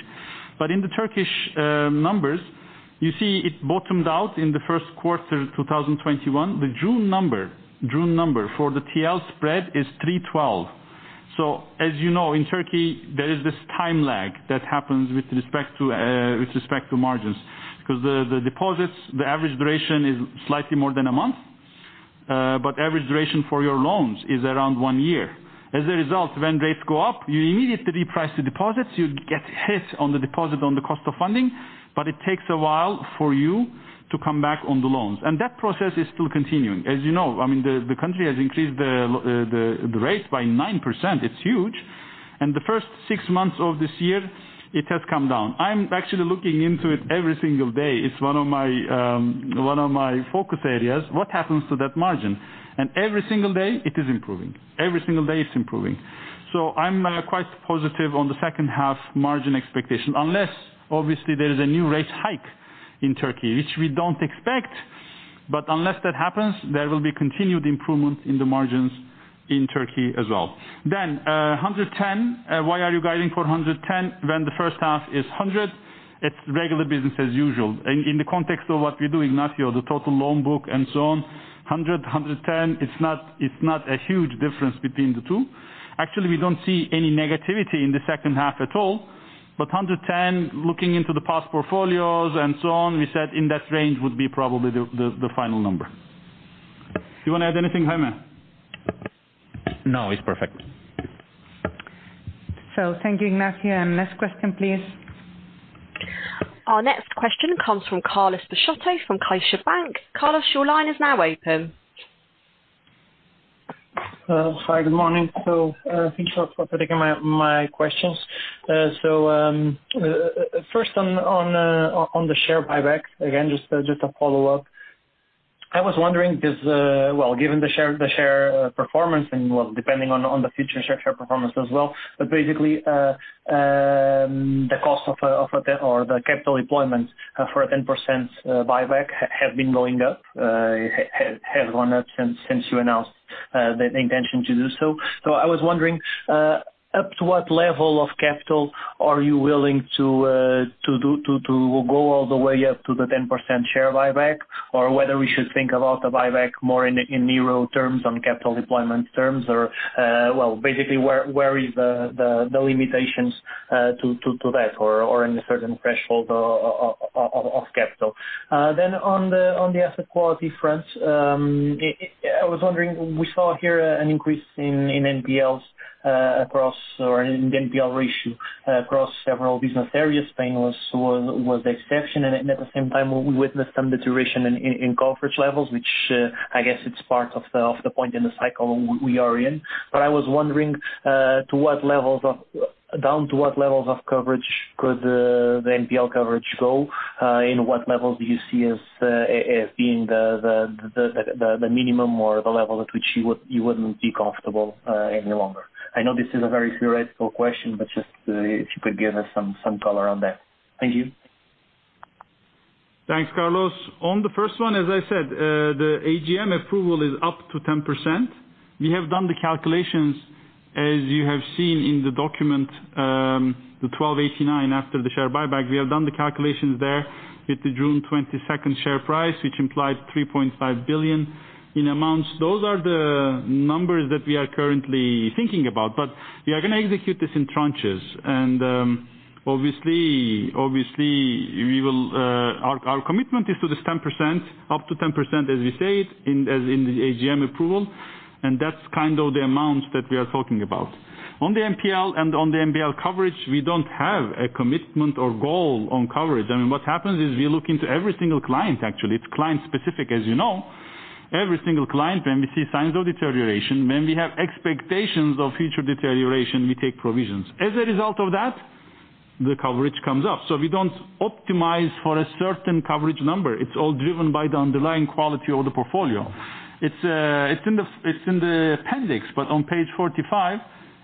In the Turkish numbers, you see it bottomed out in the Q1 2021 the June number for the TL spread is 312. As you know, in Turkey, there is this time lag that happens with respect to margins. Because the deposits, the average duration is slightly more than a month. Average duration for your loans is around one year. As a result, when rates go up, you immediately reprice the deposits you get hit on the deposit on the cost of funding, but it takes a while for you to come back on the loans and that process is still continuing. As you know, the country has increased the rate by 9% it's huge. The first six months of this year, it has come down i'm actually looking into it every single day it's one of my focus areas what happens to that margin? every single day it is improving. Every single day it's improving so im quite positive on the second half margin expectation unless, obviously, there is a new rate hike in Turkey, which we don't expect. Unless that happens, there will be continued improvement in the margins in Turkey as well. Then 110. Why are you guiding for 110 when the first half is 100? It's regular business as usual. In the context of what we do, Ignacio, the total loan book and so on, 100, 110, it's not a huge difference between the two. Actually, we don't see any negativity in the second half at all. But 110, looking into the past portfolios and so on, we said in that range would be probably the final number. Do you want to add anything, Jaime? No, it's perfect. Thank you, Ignacio. Next question, please. Our next question comes from Carlos Peixoto from CaixaBank. Carlos, your line is now open. Hi. Good morning. Thanks a lot for taking my questions. First on the share buyback, again, just a follow-up. I was wondering because, well, given the share performance and, well, depending on the future share performance as well, but basically, the cost or the capital employment for a 10% buyback has gone up since you announced the intention to do so. I was wondering, up to what level of capital are you willing to go all the way up to the 10% share buyback? or whether we should think about the buyback more in narrow terms, on capital deployment terms, well, basically, where is the limitations to that, or any certain threshold of capital. Then, the asset quality front, I was wondering, we saw here an increase in NPLs or in the NPL ratio across several business areas. Spain was the exception at the same time, we witnessed some deterioration in coverage levels, which I guess it's part of the point in the cycle we are in. I was wondering down to what levels of coverage could the NPL coverage go? In what level do you see as being the minimum or the level at which you wouldn't be comfortable any longer? I know this is a very theoretical question, just if you could give us some color on that. Thank you. Thanks, Carlos. On the first one, as I said, the AGM approval is up to 10%. We have done the calculations, as you have seen in the document, the 1,289 after the share buyback we have done the calculations there with the 22 June share price, which implied 3.5 billion in amounts those are the numbers that we are currently thinking about, we are going to execute this in tranches. Obviously, our commitment is to this 10%, up to 10%, as we said, in the AGM approval. That's kind of the amount that we are talking about. On the NPL and on the NPL coverage, we don't have a commitment or goal on coverage and what happens is we look into every single client, actually it's client-specific, as you know. Every single client, when we see signs of deterioration, when we have expectations of future deterioration, we take provisions. As a result of that, the coverage comes up so we don't optimize for a certain coverage number it's all driven by the underlying quality of the portfolio. It's in the appendix, but on page 45.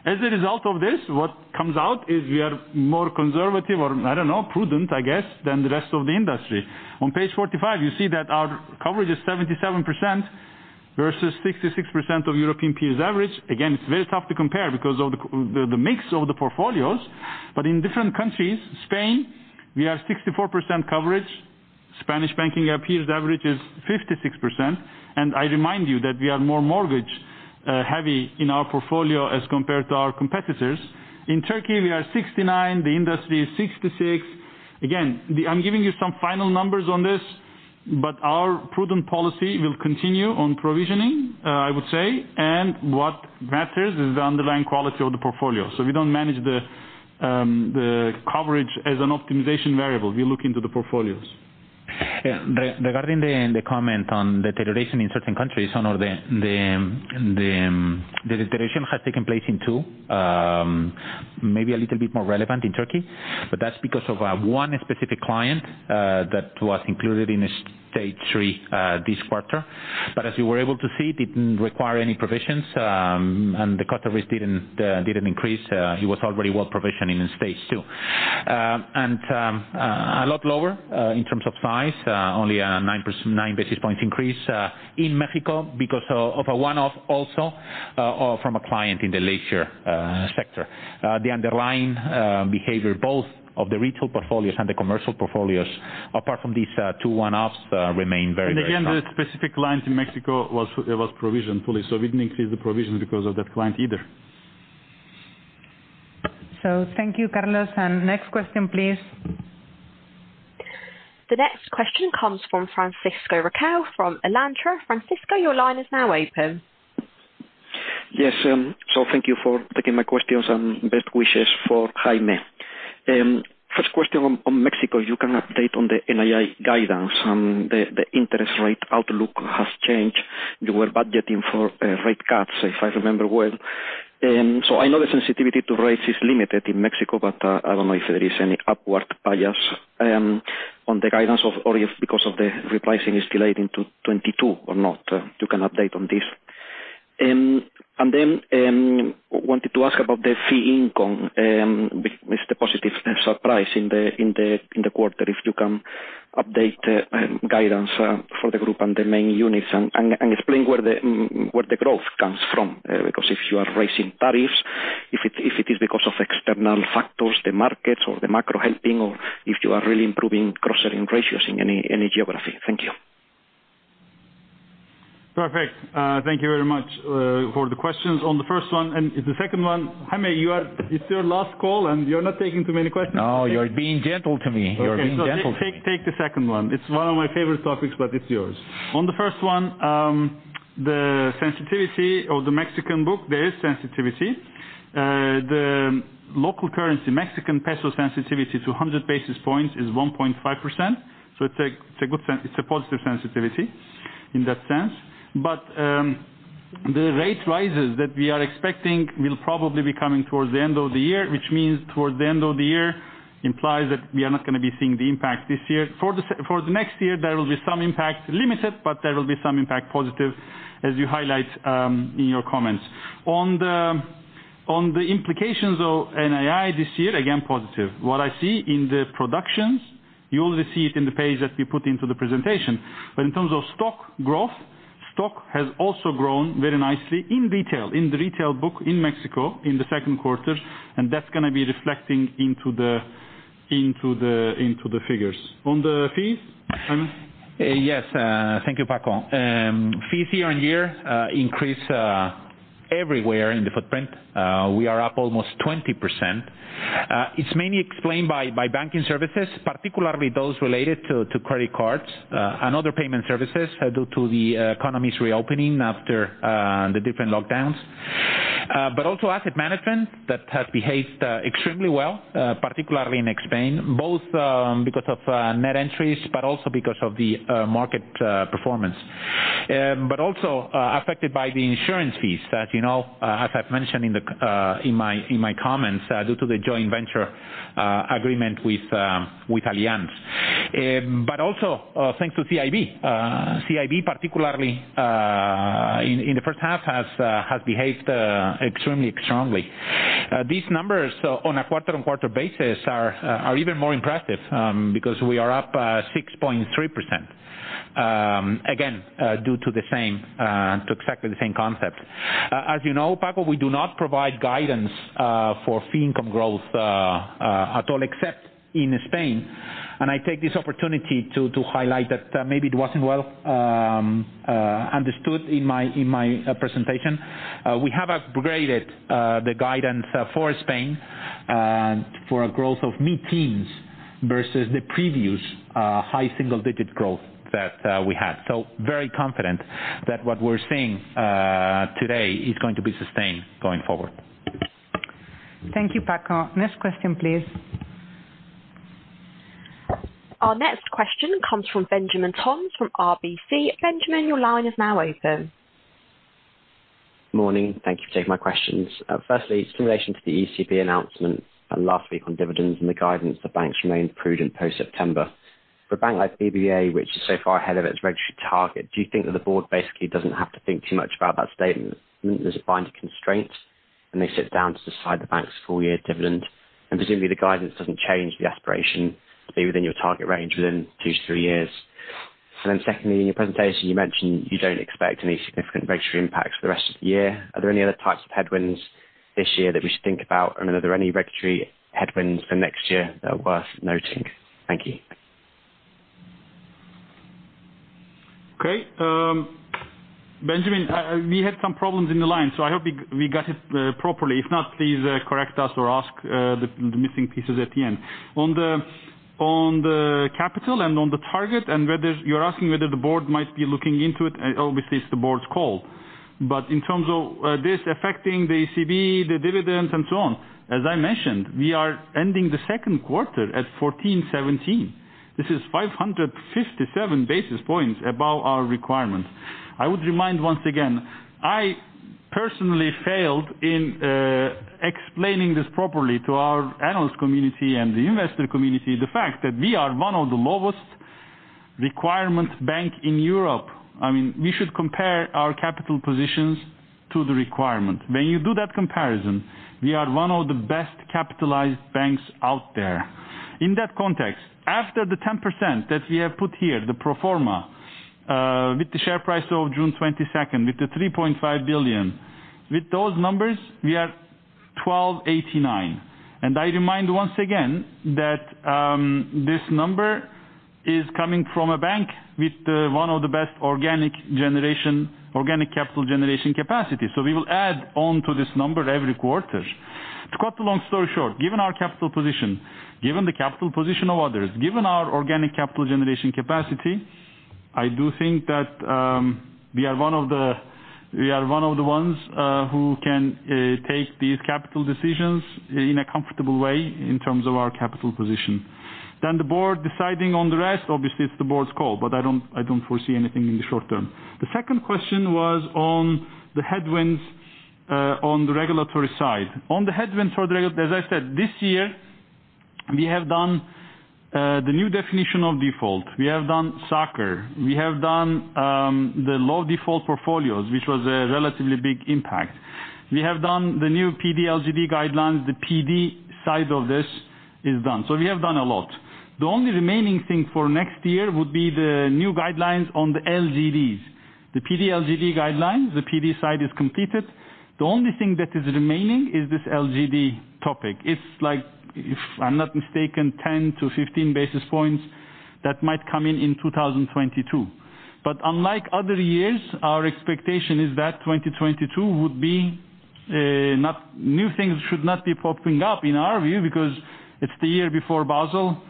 As a result of this, what comes out is we are more conservative or, I don't know, prudent, I guess, than the rest of the industry. On page 45, you see that our coverage is 77% versus 66% of European peers average, again, it's very tough to compare because of the mix of the portfolios. In different countries, Spain, we have 64% coverage. Spanish banking peers average is 56% and i remind you that we are more mortgage-heavy in our portfolio as compared to our competitors. In Turkey, we are 69%, the industry is 66%. Again, I'm giving you some final numbers on this, but our prudent policy will continue on provisioning, I would say and what matters is the underlying quality of the portfolio. We don't manage the coverage as an optimization variable we look into the portfolios. Yeah regarding the comment on deterioration in certain countries the deterioration has taken place in two, maybe a little bit more relevant in Turkey, but that's because of one specific client that was included in stage three this quarter. As you were able to see, didn't require any provisions, and the cost of risk didn't increase he was already well-provisioned in stage two. A lot lower in terms of size, only a 9 basis points increase, in Mexico because of a one-off also from a client in the leisure sector. The underlying behavior, both of the retail portfolios and the commercial portfolios, apart from these two one-offs, remain very, very strong. Again, the specific client in Mexico was provisioned fully we didn't increase the provision because of that client either. Thank you, Carlos. Next question, please. The next question comes from Francisco Riquel from Alantra. Francisco, your line is now open. Yes thank you for taking my questions and best wishes for Jaime. First question on Mexico you can update on the NII guidance and the interest rate outlook has changed. You were budgeting for rate cuts, if I remember well. I know the sensitivity to rates is limited in Mexico, but I don't know if there is any upward bias on the guidance or if because of the repricing is delayed into 2022 or not. You can update on this. Wanted to ask about the fee income, it's the positive surprise in the quarter, if you can update the guidance for the group and the main units and explain where the growth comes from. If you are raising tariffs, if it is because of external factors, the markets or the macro helping, or if you are really improving cross-selling ratios in any geography thank you. Perfect. Thank you very much for the questions on the first one and the second one, Jaime, it's your last call, and you're not taking too many questions. No, you're being gentle to me. Okay. You're being gentle to me. Take the second one. It's one of my favorite topics, but it's yours. On the first one, the sensitivity of the Mexican book, there is sensitivity. The local currency, Mexican peso sensitivity to 100 basis points is 1.5%. It's a positive sensitivity in that sense. But, the rate rises that we are expecting will probably be coming towards the end of the year, which means towards the end of the year implies that we are not going to be seeing the impact this year for the next year, there will be some impact, limited, but there will be some impact positive as you highlight in your comments. On the implications of NII this year, again, positive what I see in the productions, you already see it in the page that we put into the presentation. In terms of stock growth, stock has also grown very nicely in detail, in the retail book in Mexico in the Q2, and that's going to be reflecting into the figures, on the fees, Jaime? Yes. Thank you, Paco. Fees year-on-year increase everywhere in the footprint. We are up almost 20%. It's mainly explained by banking services, particularly those related to credit cards and other payment services due to the economy's reopening after the different lockdowns. Also asset management, that has behaved extremely well, particularly in Spain, both because of net entries but also because of the market performance. Also affected by the insurance fees, as I've mentioned in my comments, due to the joint venture agreement with Allianz. Also thanks to CIB. CIB, particularly in the first half, has behaved extremely strongly. These numbers on a quarter-on-quarter basis are even more impressive, because we are up 6.3%. Again, due to exactly the same concept. As you know, Paco, we do not provide guidance for fee income growth at all except in Spain. I take this opportunity to highlight that maybe it wasn't well understood in my presentation. We have upgraded the guidance for Spain for a growth of mid-teens versus the previous high single-digit growth that we had so very confident that what we're seeing today is going to be sustained going forward. Thank you, Paco. Next question, please. Our next question comes from Benjamin Toms from RBC. Benjamin, your line is now open. Morning. Thank you for taking my questions. Firstly, it's in relation to the ECB announcement last week on dividends and the guidance that banks remain prudent post September. For a bank like BBVA, which is so far ahead of its regulatory target, do you think that the board basically doesn't have to think too much about that statement? Does it bind constraints when they sit down to decide the bank's full-year dividend? Presumably the guidance doesn't change the aspiration to be within your target range within two to three years. Secondly, in your presentation, you mentioned you don't expect any significant regulatory impacts for the rest of the year are there any other types of headwinds this year that we should think about? Are there any regulatory headwinds for next year that are worth noting? Thank you. Okay. Benjamin, we had some problems in the line i hope we got it properly if not, please correct us or ask the missing pieces at the end. On the capital and on the target, you're asking whether the board might be looking into it and obviously, it's the board's call. In terms of this affecting the ECB, the dividends and so on, as I mentioned, we are ending the Q2 at 14.17. This is 557 basis points above our requirements. I would remind once again, I personally failed in explaining this properly to our analyst community and the investor community, the fact that we are one of the lowest requirement bank in Europe. We should compare our capital positions to the requirement. When you do that comparison, we are one of the best capitalized banks out there. In that context, after the 10% that we have put here, the pro forma, with the share price of 22 June with the 3.5 billion, with those numbers, we are 1289. I remind once again that this number is coming from a bank with one of the best organic capital generation capacity we will add on to this number every quarter. To cut a long story short, given our capital position, given the capital position of others, given our organic capital generation capacity, I do think that we are one of the ones who can take these capital decisions in a comfortable way in terms of our capital position. The board deciding on the rest, obviously it's the board's call, but I don't foresee anything in the short term. The second question was on the headwinds on the regulatory side. On the headwinds for the regulatory, as I said, this year, we have done the New Definition of Default, we have done SA-CCR, we have done the Low-Default Portfolios, which was a relatively big impact. We have done the new PD/LGD guidelines. The PD side of this is done we have done a lot. The only remaining thing for next year would be the new guidelines on the LGDs. The PD/LGD guidelines, the PD side is completed. The only thing that is remaining is this LGD topic it's like, if I'm not mistaken, 10 to 15 basis points that might come in in 2022. Unlike other years, our expectation is that 2022 would be, new things should not be popping up in our view because it's the year before Basel.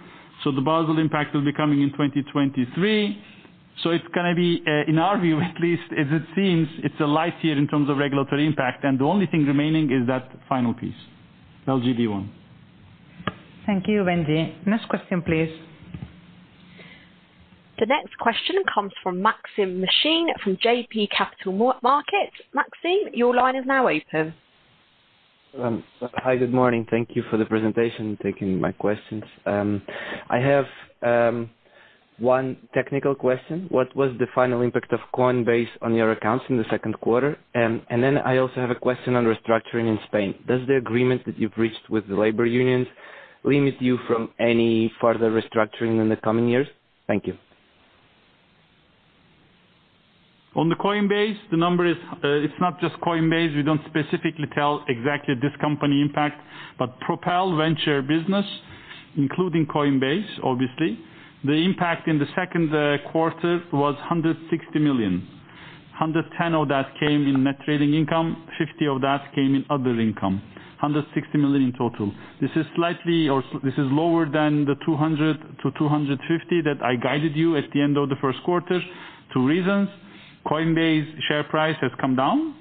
The Basel impact will be coming in 2023. It's going to be, in our view, at least as it seems, it's a light year in terms of regulatory impact and the only thing remaining is that final piece, LGD 1. Thank you, Benjamin. Next question, please. The next question comes from Maksym Mishyn from JB Capital Markets. Maksym, your line is now open. Hi, good morning thank you for the presentation, and taking my questions. I have one technical question what was the final impact of Coinbase on your accounts in the Q2? I also have a question on restructuring in Spain does the agreement that you've reached with the labor unions? limit you from any further restructuring in the coming years? Thank you. On the Coinbase, it's not just Coinbase we don't specifically tell exactly this company impact, but Propel Venture Business, including Coinbase, obviously. The impact in the Q2 was 160 million. 110 million came in net trading income, 50 million came in other income. 160 million in total. This is lower than the 200 million-250 million that I guided you at the end of the Q1. Two reasons. Coinbase share price has come down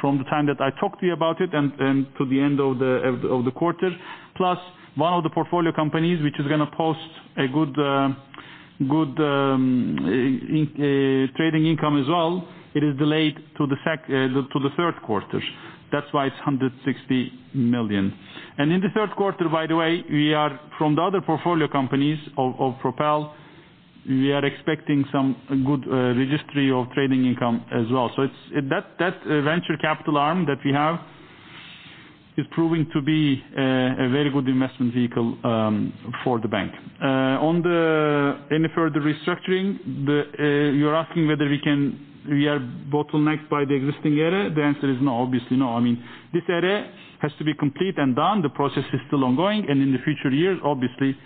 from the time that I talked to you about it and to the end of the quarter, plus one of the portfolio companies, which is going to post a good trading income as well, it is delayed to the Q3. That's why it's 160 million. In the Q3, by the way, from the other portfolio companies of Propel, we are expecting some good registry of trading income as well that venture capital arm that we have is proving to be a very good investment vehicle for the bank. On any further restructuring, you're asking whether we are bottlenecked by the existing area, the answer is no, obviously no this area has to be complete and done the process is still ongoing in the future years, obviously,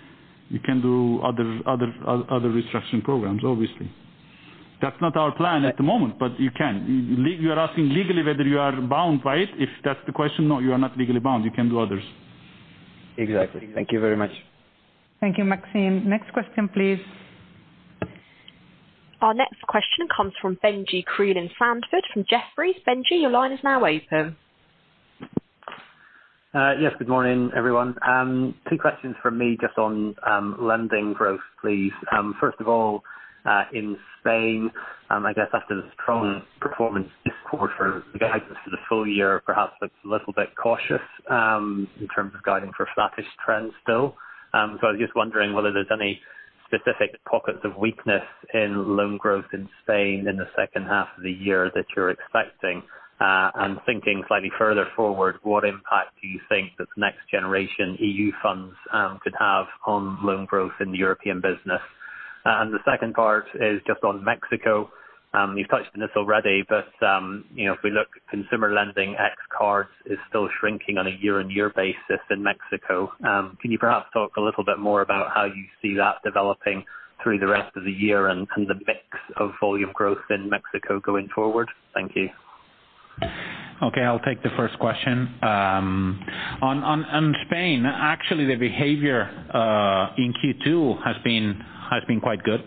we can do other restructuring programs, obviously. That's not our plan at the moment but you can, you're asking legally whether you are bound by it if that's the question, no, you are not legally bound you can do others. Exactly. Thank you very much. Thank you, Maksym. Next question, please. Our next question comes from Benjie Creelan-Sandford from Jefferies. Benjie, your line is now open. Yes, good morning, everyone. Two questions from me just on lending growth, please first of all, in Spain, I guess after the strong performance this quarter, the guidance for the full year perhaps looks a little bit cautious in terms of guiding for flattish trends still. I was just wondering whether there's any specific pockets of weakness in loan growth in Spain in the second half of the year that you're expecting. Thinking slightly further forward, what impact do you think this Next Generation EU funds could have on loan growth in the European business? The second part is just on Mexico. You've touched on this already, but if we look consumer lending, X cards is still shrinking on a year-on-year basis in Mexico. Can you perhaps talk a little bit more about how you see that developing through the rest of the year and the mix of volume growth in Mexico going forward? Thank you. Okay, I'll take the first question. Actually the behavior in Q2 has been quite good.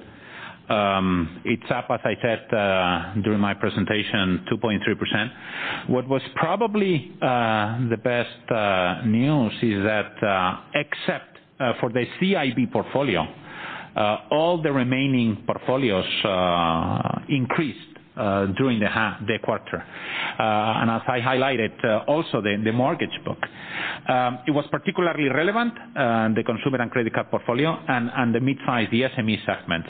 It's up, as I said, during my presentation, 2.3%. What was probably the best news is that, except for the CIB portfolio, all the remaining portfolios increased during the quarter. As I highlighted also, the mortgage book. It was particularly relevant, the consumer and credit card portfolio and the mid-size, the SME segment,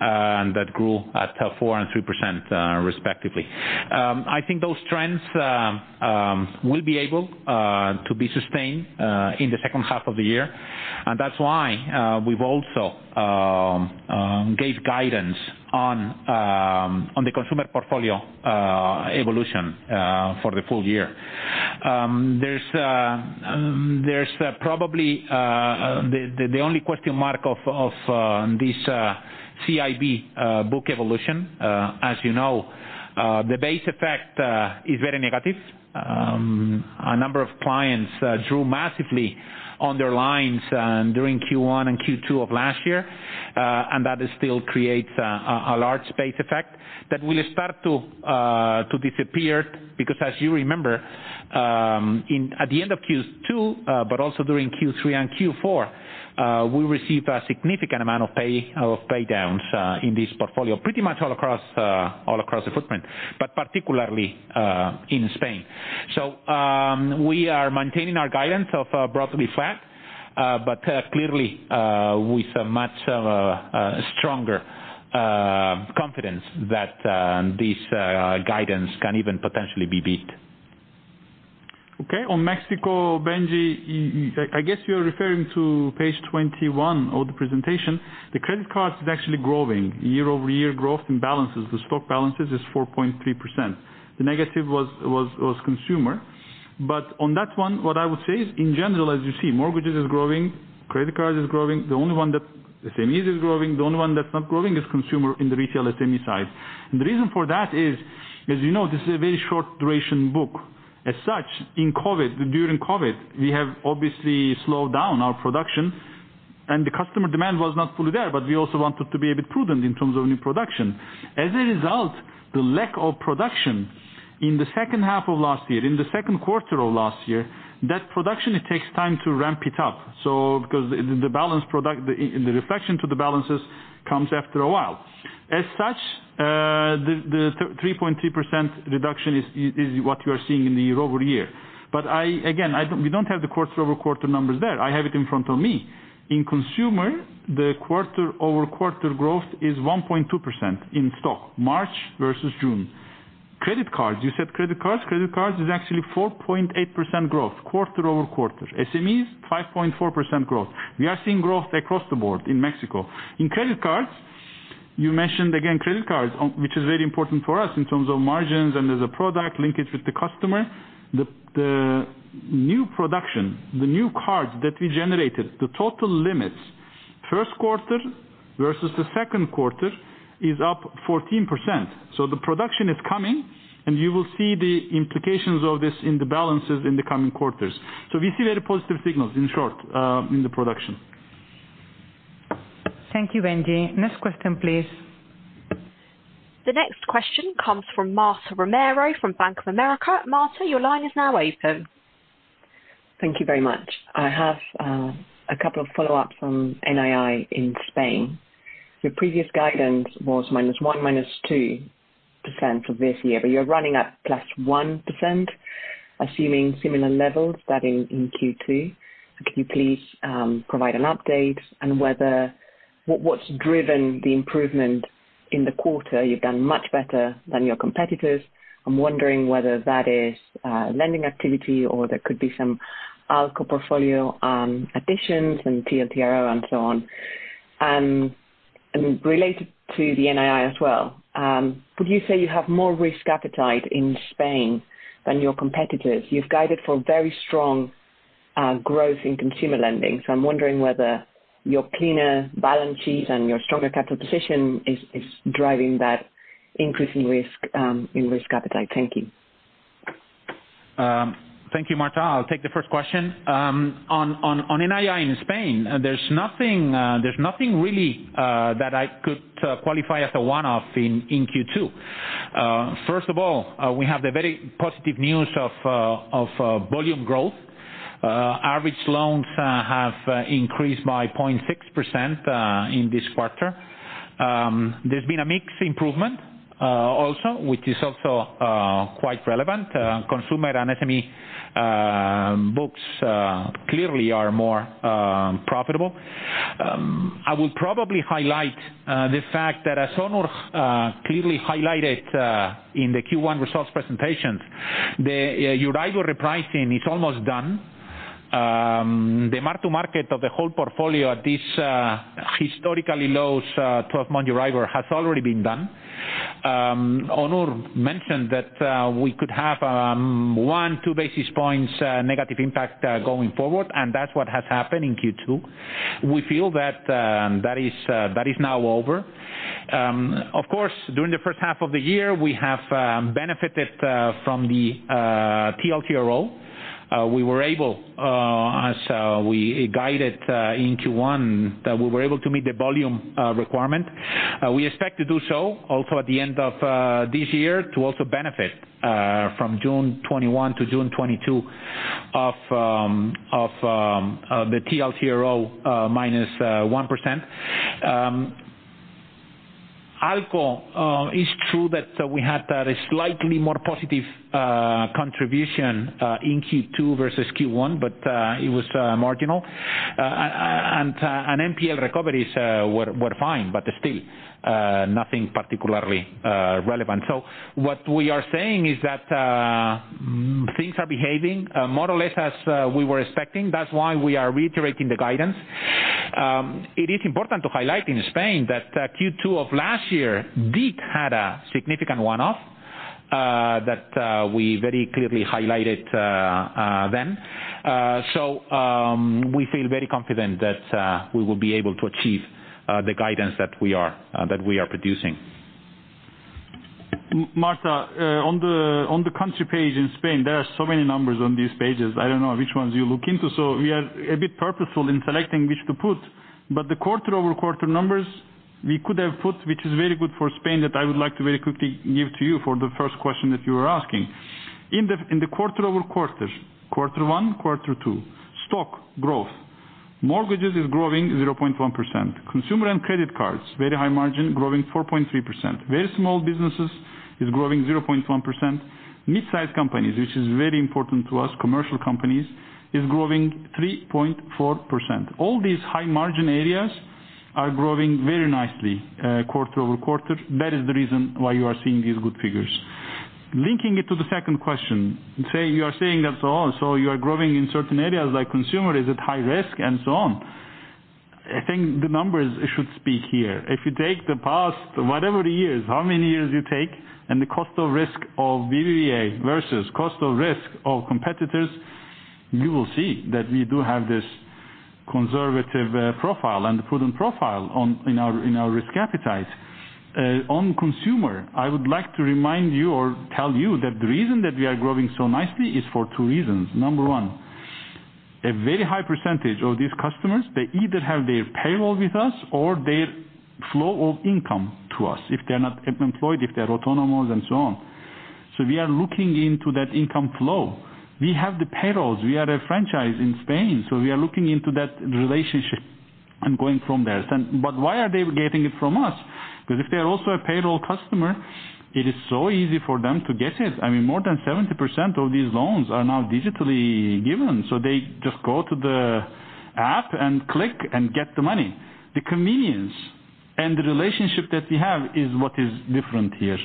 that grew at 4% and 3% respectively. I think those trends will be able to be sustained in the second half of the year. That's why we've also gave guidance on the consumer portfolio evolution for the full year. There's probably the only question mark of this CIB book evolution. As you know, the base effect is very negative. A number of clients drew massively on their lines during Q1 and Q2 of last year. That still creates a large base effect that will start to disappear because as you remember, at the end of Q2, but also during Q3 and Q4, we received a significant amount of pay downs in this portfolio pretty much all across the footprint, but particularly in Spain. We are maintaining our guidance of broadly flat. but clearly, with a much stronger confidence that this guidance can even potentially be beat. Okay on Mexico, Benjie, I guess you're referring to page 21 of the presentation. The credit card is actually growing. Year-over-year growth in balances, the stock balances is 4.3%. The negative was consumer. But on that one, what I would say is in general, as you see, mortgages is growing, credit cards is growing. SMEs is growing the only one that's not growing is consumer in the retail SME side. The reason for that is, as you know, this is a very short duration book. As such, during COVID, we have obviously slowed down our production, and the customer demand was not fully there we also wanted to be a bit prudent in terms of new production. As a result, the lack of production in the second half of last year, in the Q2 of last year, that production, it takes time to ramp it up. Because the reflection to the balances comes after a while. As such, the 3.3% reduction is what you are seeing in the year-over-year. Again, we don't have the quarter-over-quarter numbers there, i have it in front of me. In consumer, the quarter-over-quarter growth is 1.2% in stock, March versus June. Credit cards, you said credit cards, credit cards is actually 4.8% growth quarter-over-quarter SMEs, 5.4% growth. We are seeing growth across the board in Mexico. In credit cards, you mentioned again credit cards, which is very important for us in terms of margins and as a product linkage with the customer. The new production, the new cards that we generated, the total limits, Q1 versus the Q2 is up 14%. The production is coming, and you will see the implications of this in the balances in the coming quarters. We see very positive signals, in short, in the production. Thank you, Benjie. Next question, please. The next question comes from Marta Romero from Bank of America. Marta, your line is now open. Thank you very much. I have a couple of follow-ups on NII in Spain. Your previous guidance was -1%, -2% for this year, but you're running at +1%. Assuming similar levels that in Q2, could you please provide an update on what's driven the improvement in the quarter? you've done much better than your competitors. I'm wondering whether that is lending activity or there could be some ALCO portfolio additions and TLTRO and so on. Related to the NII as well, would you say you have more risk appetite in Spain than your competitors? You've guided for very strong growth in consumer lending so im wondering whether your cleaner balance sheet and your stronger capital position is driving that increase in risk appetite. Thank you. Thank you, Marta i'll take the first question. On NII in Spain, there's nothing really that I could qualify as a one-off in Q2. First of all, we have the very positive news of volume growth. Average loans have increased by 0.6% in this quarter. There's been a mix improvement, also, which is also quite relevant consumer and SME books clearly are more profitable. I would probably highlight the fact that as Onur clearly highlighted in the Q1 results presentation, the Euribor repricing is almost done. The mark to market of the whole portfolio at these historically low 12-month Euribor has already been done. Onur mentioned that we could have a 1, 2 basis points negative impact going forward, and that's what has happened in Q2. We feel that is now over. Of course, during the first half of the year, we have benefited from the TLTRO. We were able, as we guided in Q1, that we were able to meet the volume requirement. We expect to do so also at the end of this year to also benefit from June 2021 to June 2022 of the TLTRO -1%. ALCO, is true that we had a slightly more positive contribution in Q2 versus Q1, but it was marginal. NPL recoveries were fine, but still nothing particularly relevant. What we are saying is that things are behaving more or less as we were expecting that's why we are reiterating the guidance. It is important to highlight in Spain that Q2 of last year did have a significant one-off, that we very clearly highlighted then. We feel very confident that we will be able to achieve the guidance that we are producing. Marta, on the country page in Spain, there are so many numbers on these pages i don't know which ones you look into, so we are a bit purposeful in selecting which to put. The quarter-over-quarter numbers we could have put, which is very good for Spain, that I would like to very quickly give to you for the first question that you were asking. In the quarter-over-quarter, Q1, Q2, stock growth. Mortgages is growing 0.1%. Consumer and credit cards, very high margin, growing 4.3%. Very small businesses is growing 0.1%. Mid-size companies, which is very important to us, commercial companies, is growing 3.4% all these high margin areas are growing very nicely quarter-over-quarter that is the reason why you are seeing these good figures. Linking it to the second question, you are saying that you are growing in certain areas like consumer, is it high-risk and so on. I think the numbers should speak here if you take the past whatever years, how many years you take, and the cost of risk of BBVA versus cost of risk of competitors, you will see that we do have this conservative profile and the prudent profile in our risk appetite. On consumer, I would like to remind you or tell you that the reason that we are growing so nicely is for two reasons number one: a very high percentage of these customers, they either have their payroll with us or their flow of income to us, if they're not employed, if they're autonomous and so on. We are looking into that income flow. We have the payrolls, we are a franchise in Spain, we are looking into that relationship and going from there, why are they getting it from us? If they're also a payroll customer, it is so easy for them to get it more than 70% of these loans are now digitally given so they just go to the app and click and get the money. The convenience and the relationship that we have is what is different here.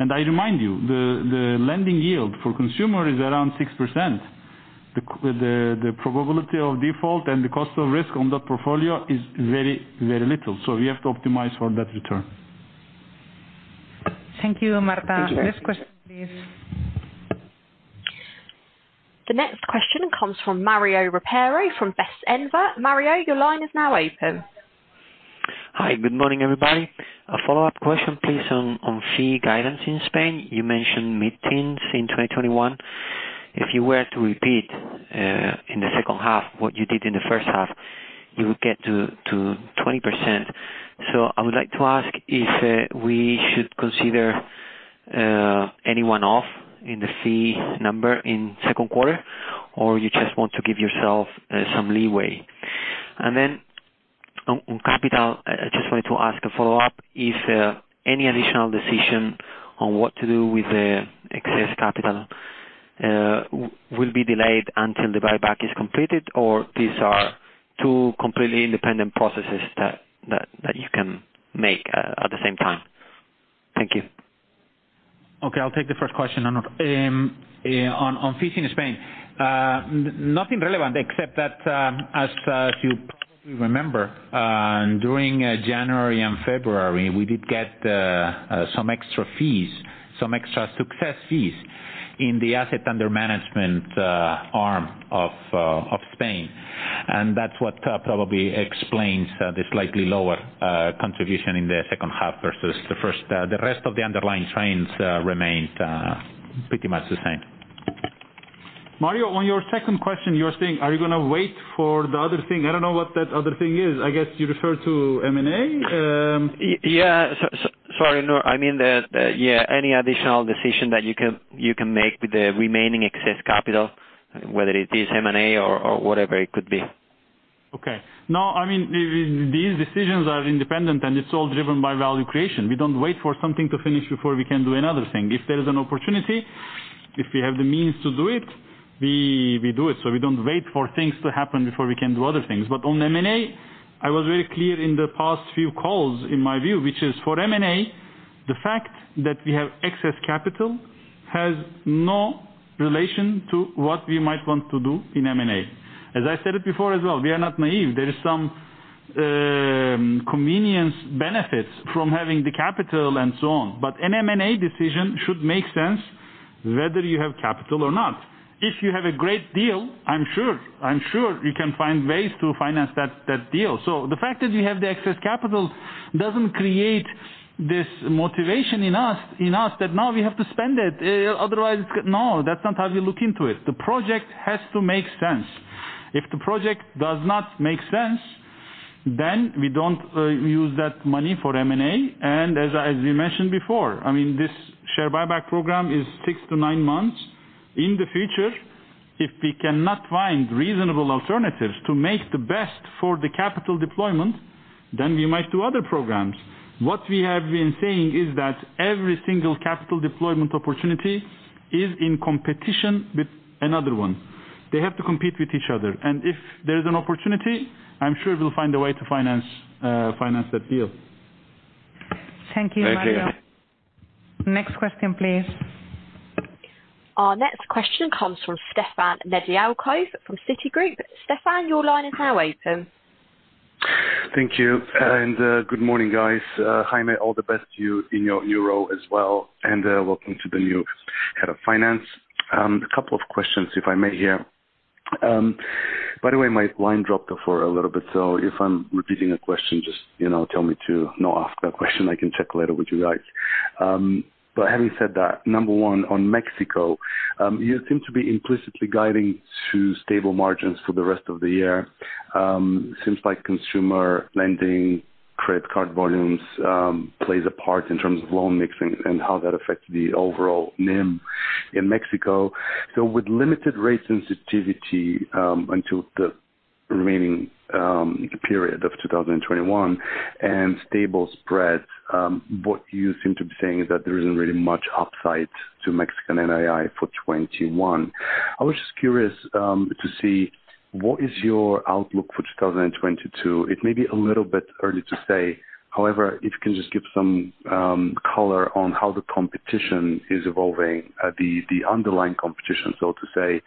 I remind you, the lending yield for consumer is around 6%. The probability of default and the cost of risk on that portfolio is very, very little so we have to optimize for that return. Thank you, Marta. Next question, please. The next question comes from Mario Ropero, from Bestinver. Mario, your line is now open. Hi, good morning, everybody. A follow-up question, please, on fee guidance in Spain you mentioned mid-teens in 2021. If you were to repeat in the second half what you did in the first half, you will get to 20%. I would like to ask if we should consider any one-off in the fee number in Q2? or you just want to give yourself some leeway. Then, on capital, I just wanted to ask a follow-up. Is any additional decision on what to do with the excess capital will be delayed until the buyback is completed? or these are two completely independent processes that you can make at the same time? Thank you. Okay i'll take the first question on fees in Spain. Nothing relevant except that, as you probably remember, during January and February, we did get some extra success fees in the asset under management arm of Spain. That's what probably explains the slightly lower contribution in the second half versus the first the rest of the underlying trends remained pretty much the same. Mario, on your second question, you're saying, are you going to wait for the other thing? I don't know what that other thing is, iguess you refer to M&A? Yeah. Sorry. No, I mean any additional decision that you can make with the remaining excess capital, whether it is M&A? or whatever it could be? Okay. No these decisions are independent, and it's all driven by value creation we don't wait for something to finish before we can do another thing if there is an opportunity, if we have the means to do it, we do it we don't wait for things to happen before we can do other things on M&A- I was very clear in the past few calls, in my view, which is for M&A, the fact that we have excess capital has no relation to what we might want to do in M&A. As I said it before as well, we are not naive there is some, convenience benefits from having the capital and so on, but an M&A decision should make sense whether you have capital or not. If you have a great deal, I'm sure you can find ways to finance that deal so the fact that we have the excess capital doesn't create this motivation in us that now we have to spend it, otherwise No, that's not how we look into it, the project has to make sense. If the project does not make sense, we don't use that money for M&A and as we mentioned before, this share buyback program is six to nine months. In the future, if we cannot find reasonable alternatives to make the best for the capital deployment, we might do other programs. What we have been saying is that every single capital deployment opportunity is in competition with another one. They have to compete with each other if there is an opportunity, I'm sure we'll find a way to finance that deal. Thank you, Mario. Thank you. Next question, please. Our next question comes from Stefan Nedialkov from Citigroup. Stefan, your line is now open. Thank you. Good morning, guys. Jaime, all the best to you in your new role as well, and welcome to the new head of finance. A couple of questions, if I may here. By the way, my line dropped before a little bit, so if I'm repeating a question, just tell me to not ask that question, I can check later with you guys. Having said that, number one, on Mexico, you seem to be implicitly guiding to stable margins for the rest of the year. Seems like consumer lending, credit card volumes plays a part in terms of loan mixing and how that affects the overall NIM in Mexico. With limited rate sensitivity until the remaining period of 2021 and stable spreads, what you seem to be saying is that there isn't really much upside to Mexican NII for 2021. I was just curious to see what is your outlook for 2022 it may be a little bit early to say. However, if you can just give some color on how the competition is evolving, the underlying competition, so to say,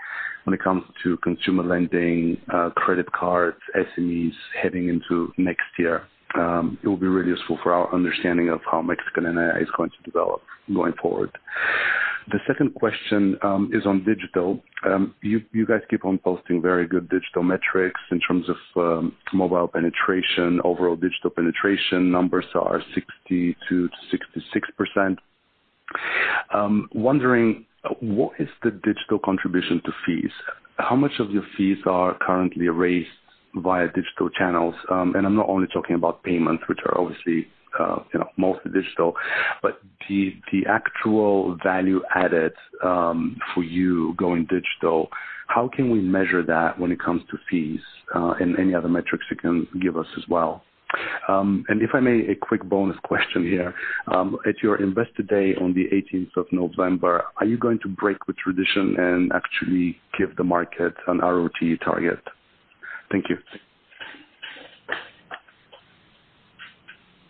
when it comes to consumer lending, credit cards, SMEs heading into next year. It will be really useful for our understanding of how Mexican NII is going to develop going forward. The second question is on digital. You guys keep on posting very good digital metrics in terms of mobile penetration, overall digital penetration numbers are 62%-66%. I am wondering what is the digital contribution to fees, how much of your fees are currently raised via digital channels? I'm not only talking about payments, which are obviously mostly digital, but the actual value added for you going digital, how can we measure that when it comes to fees? Any other metrics you can give us as well. If I may, a quick bonus question here. At your Investor Day on the 18 November, are you going to break with tradition and actually give the market an ROTE target? Thank you.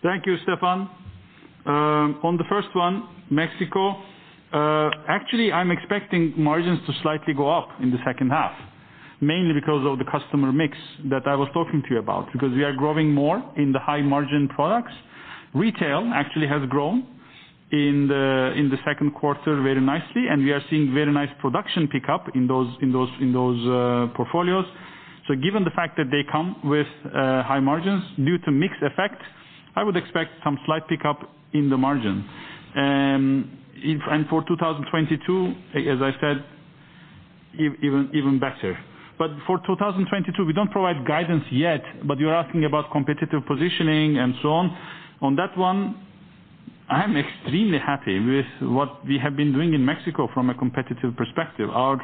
Thank you, Stefan. On the first one, Mexico, actually, I'm expecting margins to slightly go up in the second half, mainly because of the customer mix that I was talking to you about, because we are growing more in the high margin products. Retail actually has grown in the Q2 very nicely, and we are seeing very nice production pickup in those portfolios. Given the fact that they come with high margins due to mix effect, I would expect some slight pickup in the margin. For 2022, as I said, even better. For 2022, we don't provide guidance yet, but you're asking about competitive positioning and so on. On that one, I am extremely happy with what we have been doing in Mexico from a competitive perspective our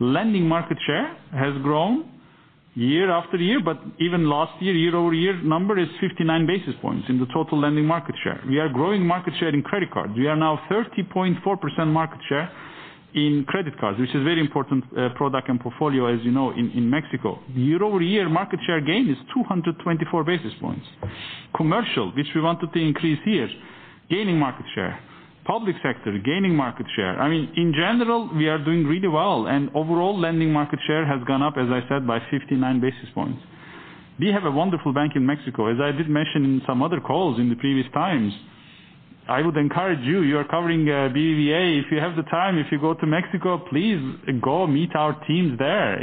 lending market share has grown year after year, but even last year-over-year number is 59 basis points in the total lending market share we are growing market share in credit cards, we are now 30.4% market share in credit cards, which is a very important product and portfolio, as you know, in Mexico. Year-over-year market share gain is 224 basis points. Commercial, which we wanted to increase this year, gaining market share, public sector, gaining market share in general, we are doing really well and overall lending market share has gone up, as I said, by 59 basis points. We have a wonderful bank in Mexico as I did mention in some other calls in the previous times, I would encourage you are covering BBVA, if you have the time, if you go to Mexico, please go meet our teams there.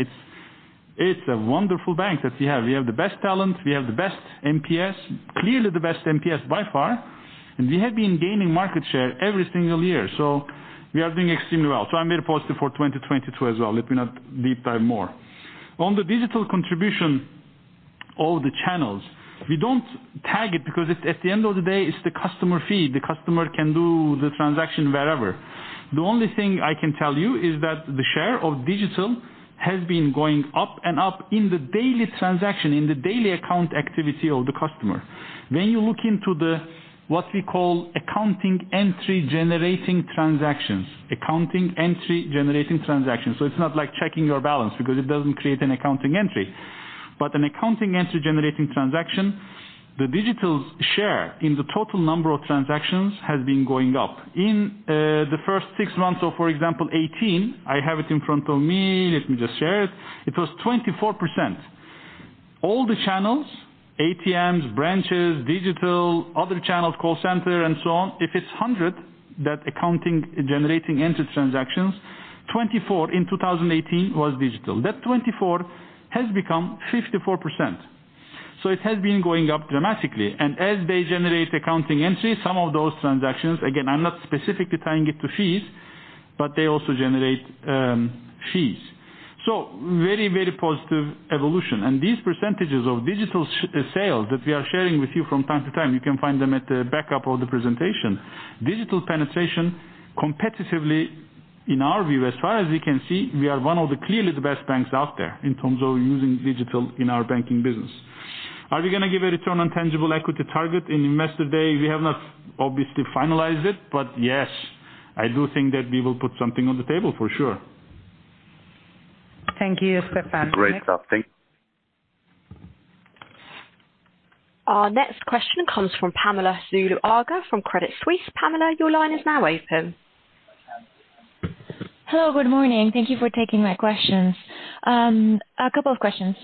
It's a wonderful bank that we have we have the best talent we have the best NPS. Clearly the best NPS by far, we have been gaining market share every single year. We are doing extremely well i'm very positive for 2022 as well let me not deep dive more. On the digital contribution of the channels, we don't tag it because at the end of the day, it's the customer feed the customer can do the transaction wherever. The only thing I can tell you is that the share of digital has been going up and up in the daily transaction, in the daily account activity of the customer. When you look into the what we call accounting entry generating transactions. It's not like checking your balance because it doesn't create an accounting entry. An accounting entry generating transaction, the digital's share in the total number of transactions has been going up. In the first six months of, for example, 2018, I have it in front of me, let me just share it. It was 24%. All the channels, ATMs, branches, digital, other channels, call center, and so on, if it's 100, that accounting generating entry transactions, 24 in 2018 was digital that 24 has become 54%. It has been going up dramatically and then as they generate accounting entries, some of those transactions, again, I'm not specifically tying it to fees, but they also generate fees. Very, very positive evolution adn these percentages of digital sales that we are sharing with you from time to time, you can find them at the backup of the presentation. Digital penetration competitively, in our view, as far as we can see, we are one of the clearly the best banks out there in terms of using digital in our banking business. Are we going to give a return on tangible equity target in Investor Day? We have not obviously finalized it, but yes, I do think that we will put something on the table for sure. Thank you, Stefan. Great stuff. Our next question comes from Pamela Zuluaga from Credit Suisse. Pamela, your line is now open. Hello good morning thank you for taking my questions. A couple of questions.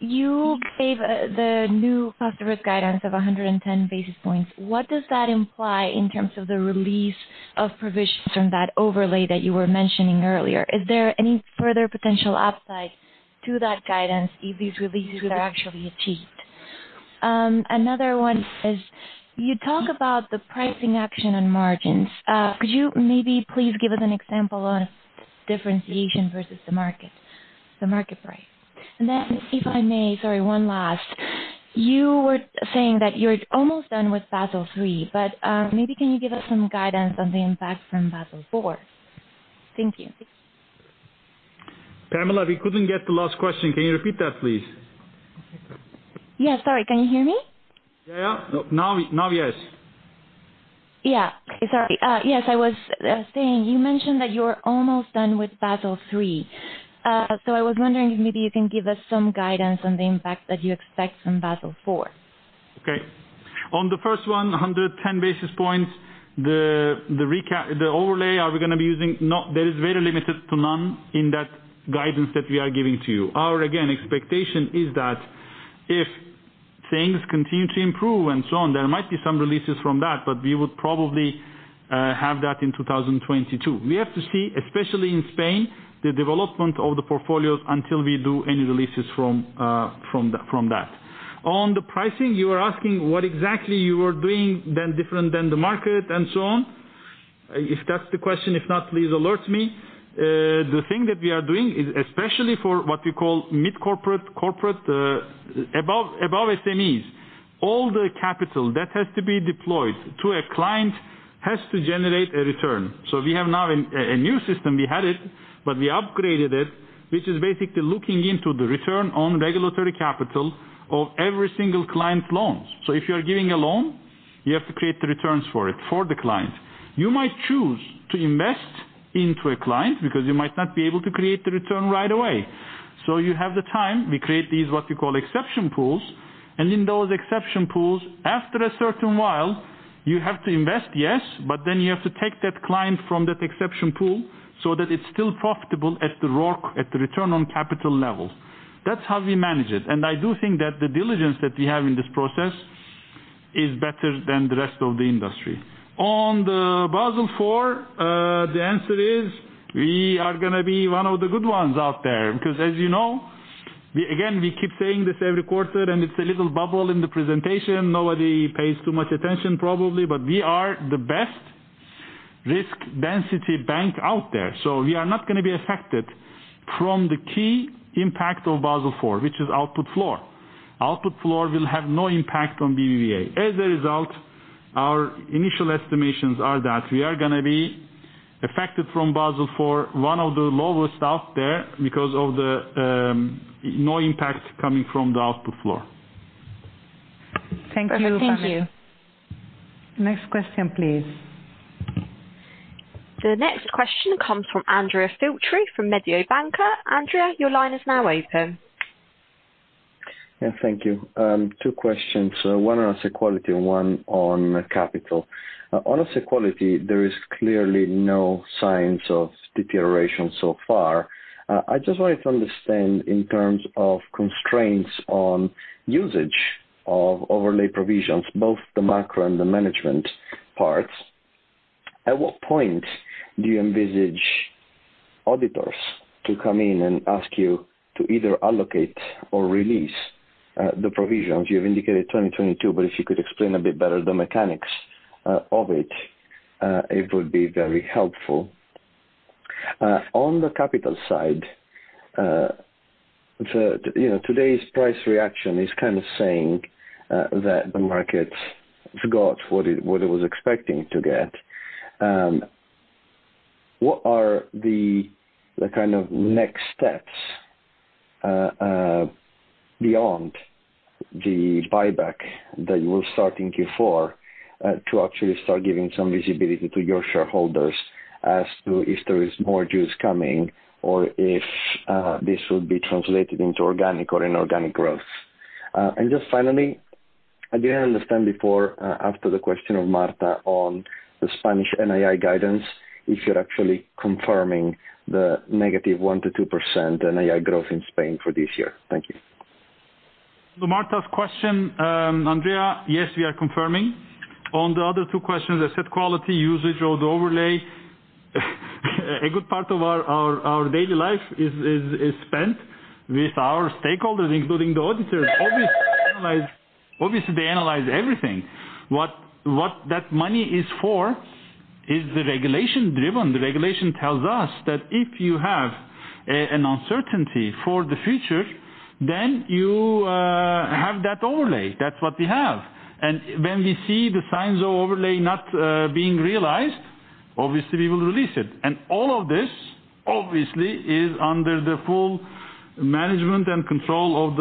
You gave the new cost of risk guidance of 110 basis points what does that imply in terms of the release of provisions from that overlay that you were mentioning earlier? Is there any further potential upside to that guidance if these releases were actually achieved? Another one is, you talk about the pricing action on margins. Could you maybe please give us an example on differentiation versus the market price? If I may, sorry, one last. You were saying that you're almost done with Basel III, but maybe can you give us some guidance on the impact from Basel IV? Thank you. Pamela, we couldn't get the last question can you repeat that, please? Yeah. Sorry. Can you hear me? Yeah. Now, yes. Yeah. Sorry yes, I was saying you mentioned that you're almost done with Basel III. I was wondering if maybe you can give us some guidance on the impact that you expect from Basel IV. Okay. On the first one, 110 basis points, the overlay are we going to be using, no, that is very limited to none in that guidance that we are giving to you our, again, expectation is that if things continue to improve and so on, there might be some releases from that, but we would probably have that in 2022 we have to see, especially in Spain, the development of the portfolios until we do any releases from that. On the pricing, you are asking what exactly you are doing different than the market and so on. If that's the question, if not, please alert me. The thing that we are doing is, especially for what we call mid corporate, above SMEs. All the capital that has to be deployed to a client has to generate a return. We have now a new system we had it, but we upgraded it, which is basically looking into the return on regulatory capital of every single client loans. If you are giving a loan, you have to create the returns for it, for the client. You might choose to invest into a client because you might not be able to create the return right away. You have the time we create these, what we call exception pools. In those exception pools, after a certain while, you have to invest, yes, but then you have to take that client from that exception pool so that it's still profitable at the return on capital level. That's how we manage it and i do think that the diligence that we have in this process is better than the rest of the industry. On the Basel IV, the answer is, we are going to be one of the good ones out there because as you know, again, we keep saying this every quarter, and it's a little bubble in the presentation nobody pays too much attention, probably, but we are the best. Risk density bank out there so we are not going to be affected from the key impact of Basel IV, which is output floor. Output floor will have no impact on BBVA as a result, our initial estimations are that we are going to be affected from Basel IV, one of the lowest out there because of no impact coming from the output floor. Thank you, Jaime. Perfect. Thank you. Next question, please. The next question comes from Andrea Filtri from Mediobanca. Andrea, your line is now open. Thank you. Two questions, one on asset quality and one on capital. On asset quality, there is clearly no signs of deterioration so far. I just wanted to understand in terms of constraints on usage of overlay provisions, both the macro and the management parts, at what point do you envisage auditors to come in and ask you to either allocate or release the provisions? you've indicated 2022, if you could explain a bit better the mechanics of it? would be very helpful. On the capital side, today's price reaction is kind of saying that the market forgot what it was expecting to get. What are the kind of next steps beyond the buyback that you will start in Q4 to actually start giving some visibility to your shareholders as to if there is more juice coming or if this will be translated into organic or inorganic growth? And just finally, I didn't understand before, after the question of Marta on the Spanish NII guidance, if you're actually confirming the negative 1%-2% NII growth in Spain for this year. Thank you. To Marta's question, Andrea, yes, we are confirming. On the other two questions, asset quality, usage of the overlay, a good part of our daily life is spent with our stakeholders including the auditors obviously, they analyze everything. What that money is for is regulation-driven the regulation tells us that if you have an uncertainty for the future, then you have that overlay, that's what we have. When we see the signs of overlay not being realized, obviously we will release it and all of this, obviously, is under the full management and control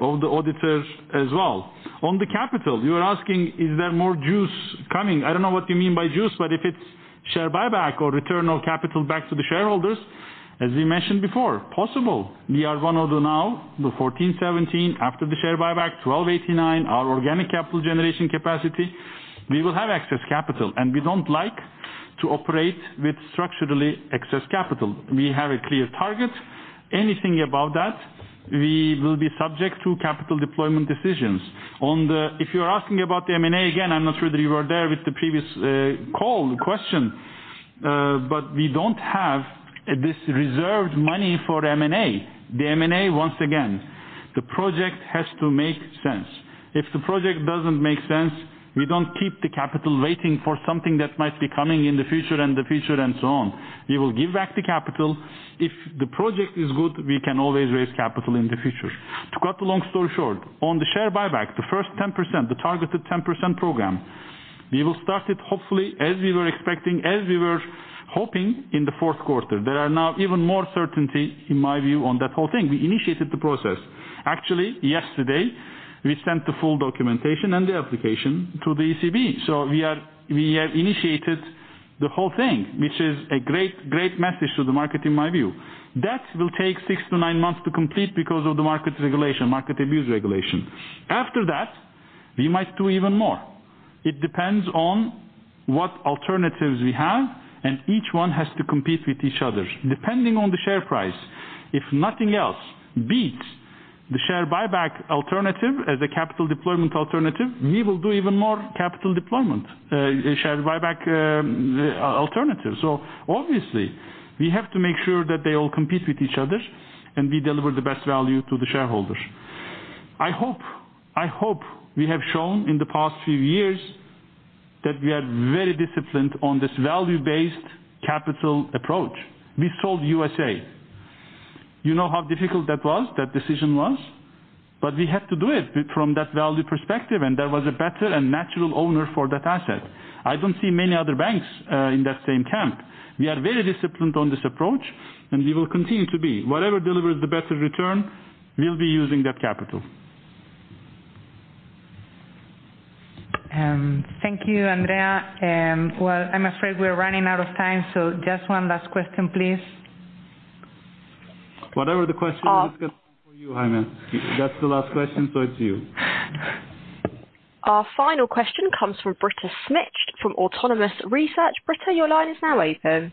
of the auditors as well. On the capital, you are asking, is there more juice coming? I don't know what you mean by juice, but if it's share buyback or return of capital back to the shareholders, as we mentioned before, possible. We are one of now, the 14.17% after the share buyback, 12.89%, our organic capital generation capacity. We will have excess capital, and we don't like to operate with structurally excess capital. We have a clear target. Anything above that, we will be subject to capital deployment decisions. If you're asking about the M&A, again, I'm not sure that you were there with the previous call, the question, but we don't have this reserved money for M&A. The M&A, once again, the project has to make sense. If the project doesn't make sense, we don't keep the capital waiting for something that might be coming in the future and so on. We will give back the capital. If the project is good, we can always raise capital in the future. To cut a long story short, on the share buyback, the first 10%, the targeted 10% program, we will start it hopefully, as we were expecting, as we were hoping in the Q4 there are now even more certainty in my view on that whole thing we initiated the process. Actually, yesterday, we sent the full documentation and the application to the ECB so we have initiated the whole thing, which is a great message to the market in my view. That will take six to nine months to complete because of the Market Abuse Regulation. After that, we might do even more. It depends on what alternatives we have, and each one has to compete with each other, depending on the share price, if nothing else beats the share buyback alternative as a capital deployment alternative, we will do even more capital deployment, share buyback alternative so- -Obviously, we have to make sure that they all compete with each other, and we deliver the best value to the shareholders. I hope we have shown in the past few years that we are very disciplined on this value-based capital approach. We sold USA. You know how difficult that decision was? We had to do it from that value perspective, and there was a better and natural owner for that asset. I don't see many other banks in that same camp. We are very disciplined on this approach, and we will continue to be whatever delivers the best return, we'll be using that capital. Thank you, Andrea. Well, I'm afraid we're running out of time, so just one last question, please. Whatever the question is, it is going to be for you, Jaime. If that is the last question, so it is you. Our final question comes from Britta Schmidt from Autonomous Research. Britta, your line is now open.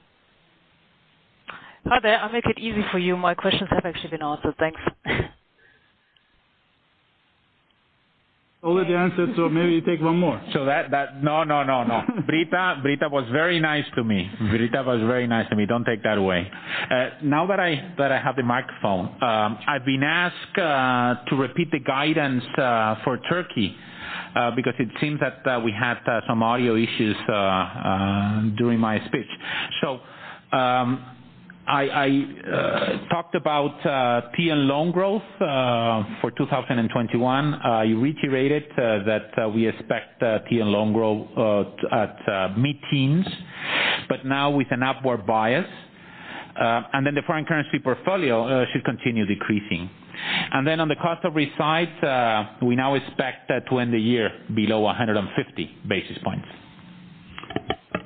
Hi there. I'll make it easy for you my questions have actually been answered thanks. Already answered, so maybe you take one more. No. Britta was very nice to me. Don't take that away. Now that I have the microphone, I've been asked to repeat the guidance for Turkey because it seems that we had some audio issues during my speech. I talked about TL loan growth for 2021. I reiterated that we expect TL loan growth at mid-teens, but now with an upward bias. The foreign currency portfolio should continue decreasing. On the cost of risk side, we now expect to end the year below 150 basis points.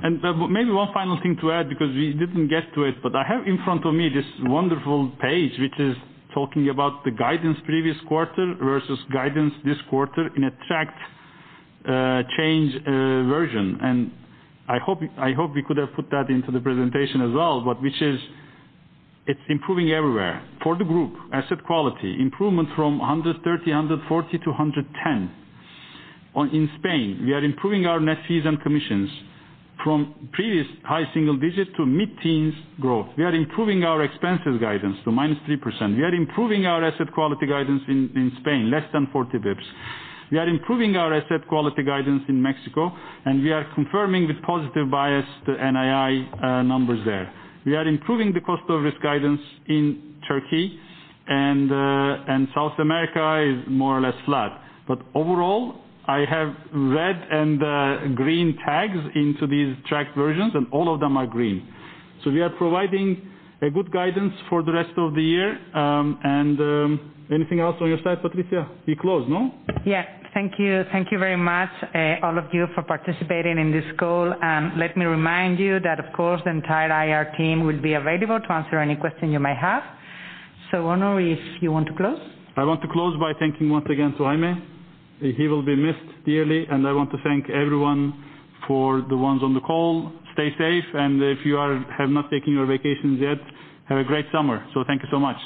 Maybe one final thing to add, because we didn't get to it, but I have in front of me this wonderful page, which is talking about the guidance previous quarter versus guidance this quarter in a tracked change version. I hope we could have put that into the presentation as well, but which is, it's improving everywhere, for the group, asset quality, improvement from 130, 140 to 110. In Spain, we are improving our net fees and commissions from previous high single digit to mid-teens growth we are improving our expenses guidance to -3% we are improving our asset quality guidance in Spain, less than 40 basis points, we are improving our asset quality guidance in Mexico, and we are confirming with positive bias the NII numbers there. We are improving the cost of risk guidance in Turkey and South America is more or less flat. Overall, I have red and green tags into these tracked versions, and all of them are green. We are providing a good guidance for the rest of the year. Anything else on your side, Patricia? We close, no? Yeah. Thank you. Thank you very much, all of you, for participating in this call. Let me remind you that, of course, the entire IR team will be available to answer any question you may have. Onur, if you want to close. I want to close by thanking once again, Jaime. He will be missed dearly, and I want to thank everyone for the ones on the call. Stay safe, and if you have not taken your vacations yet, have a great summer. Thank you so much.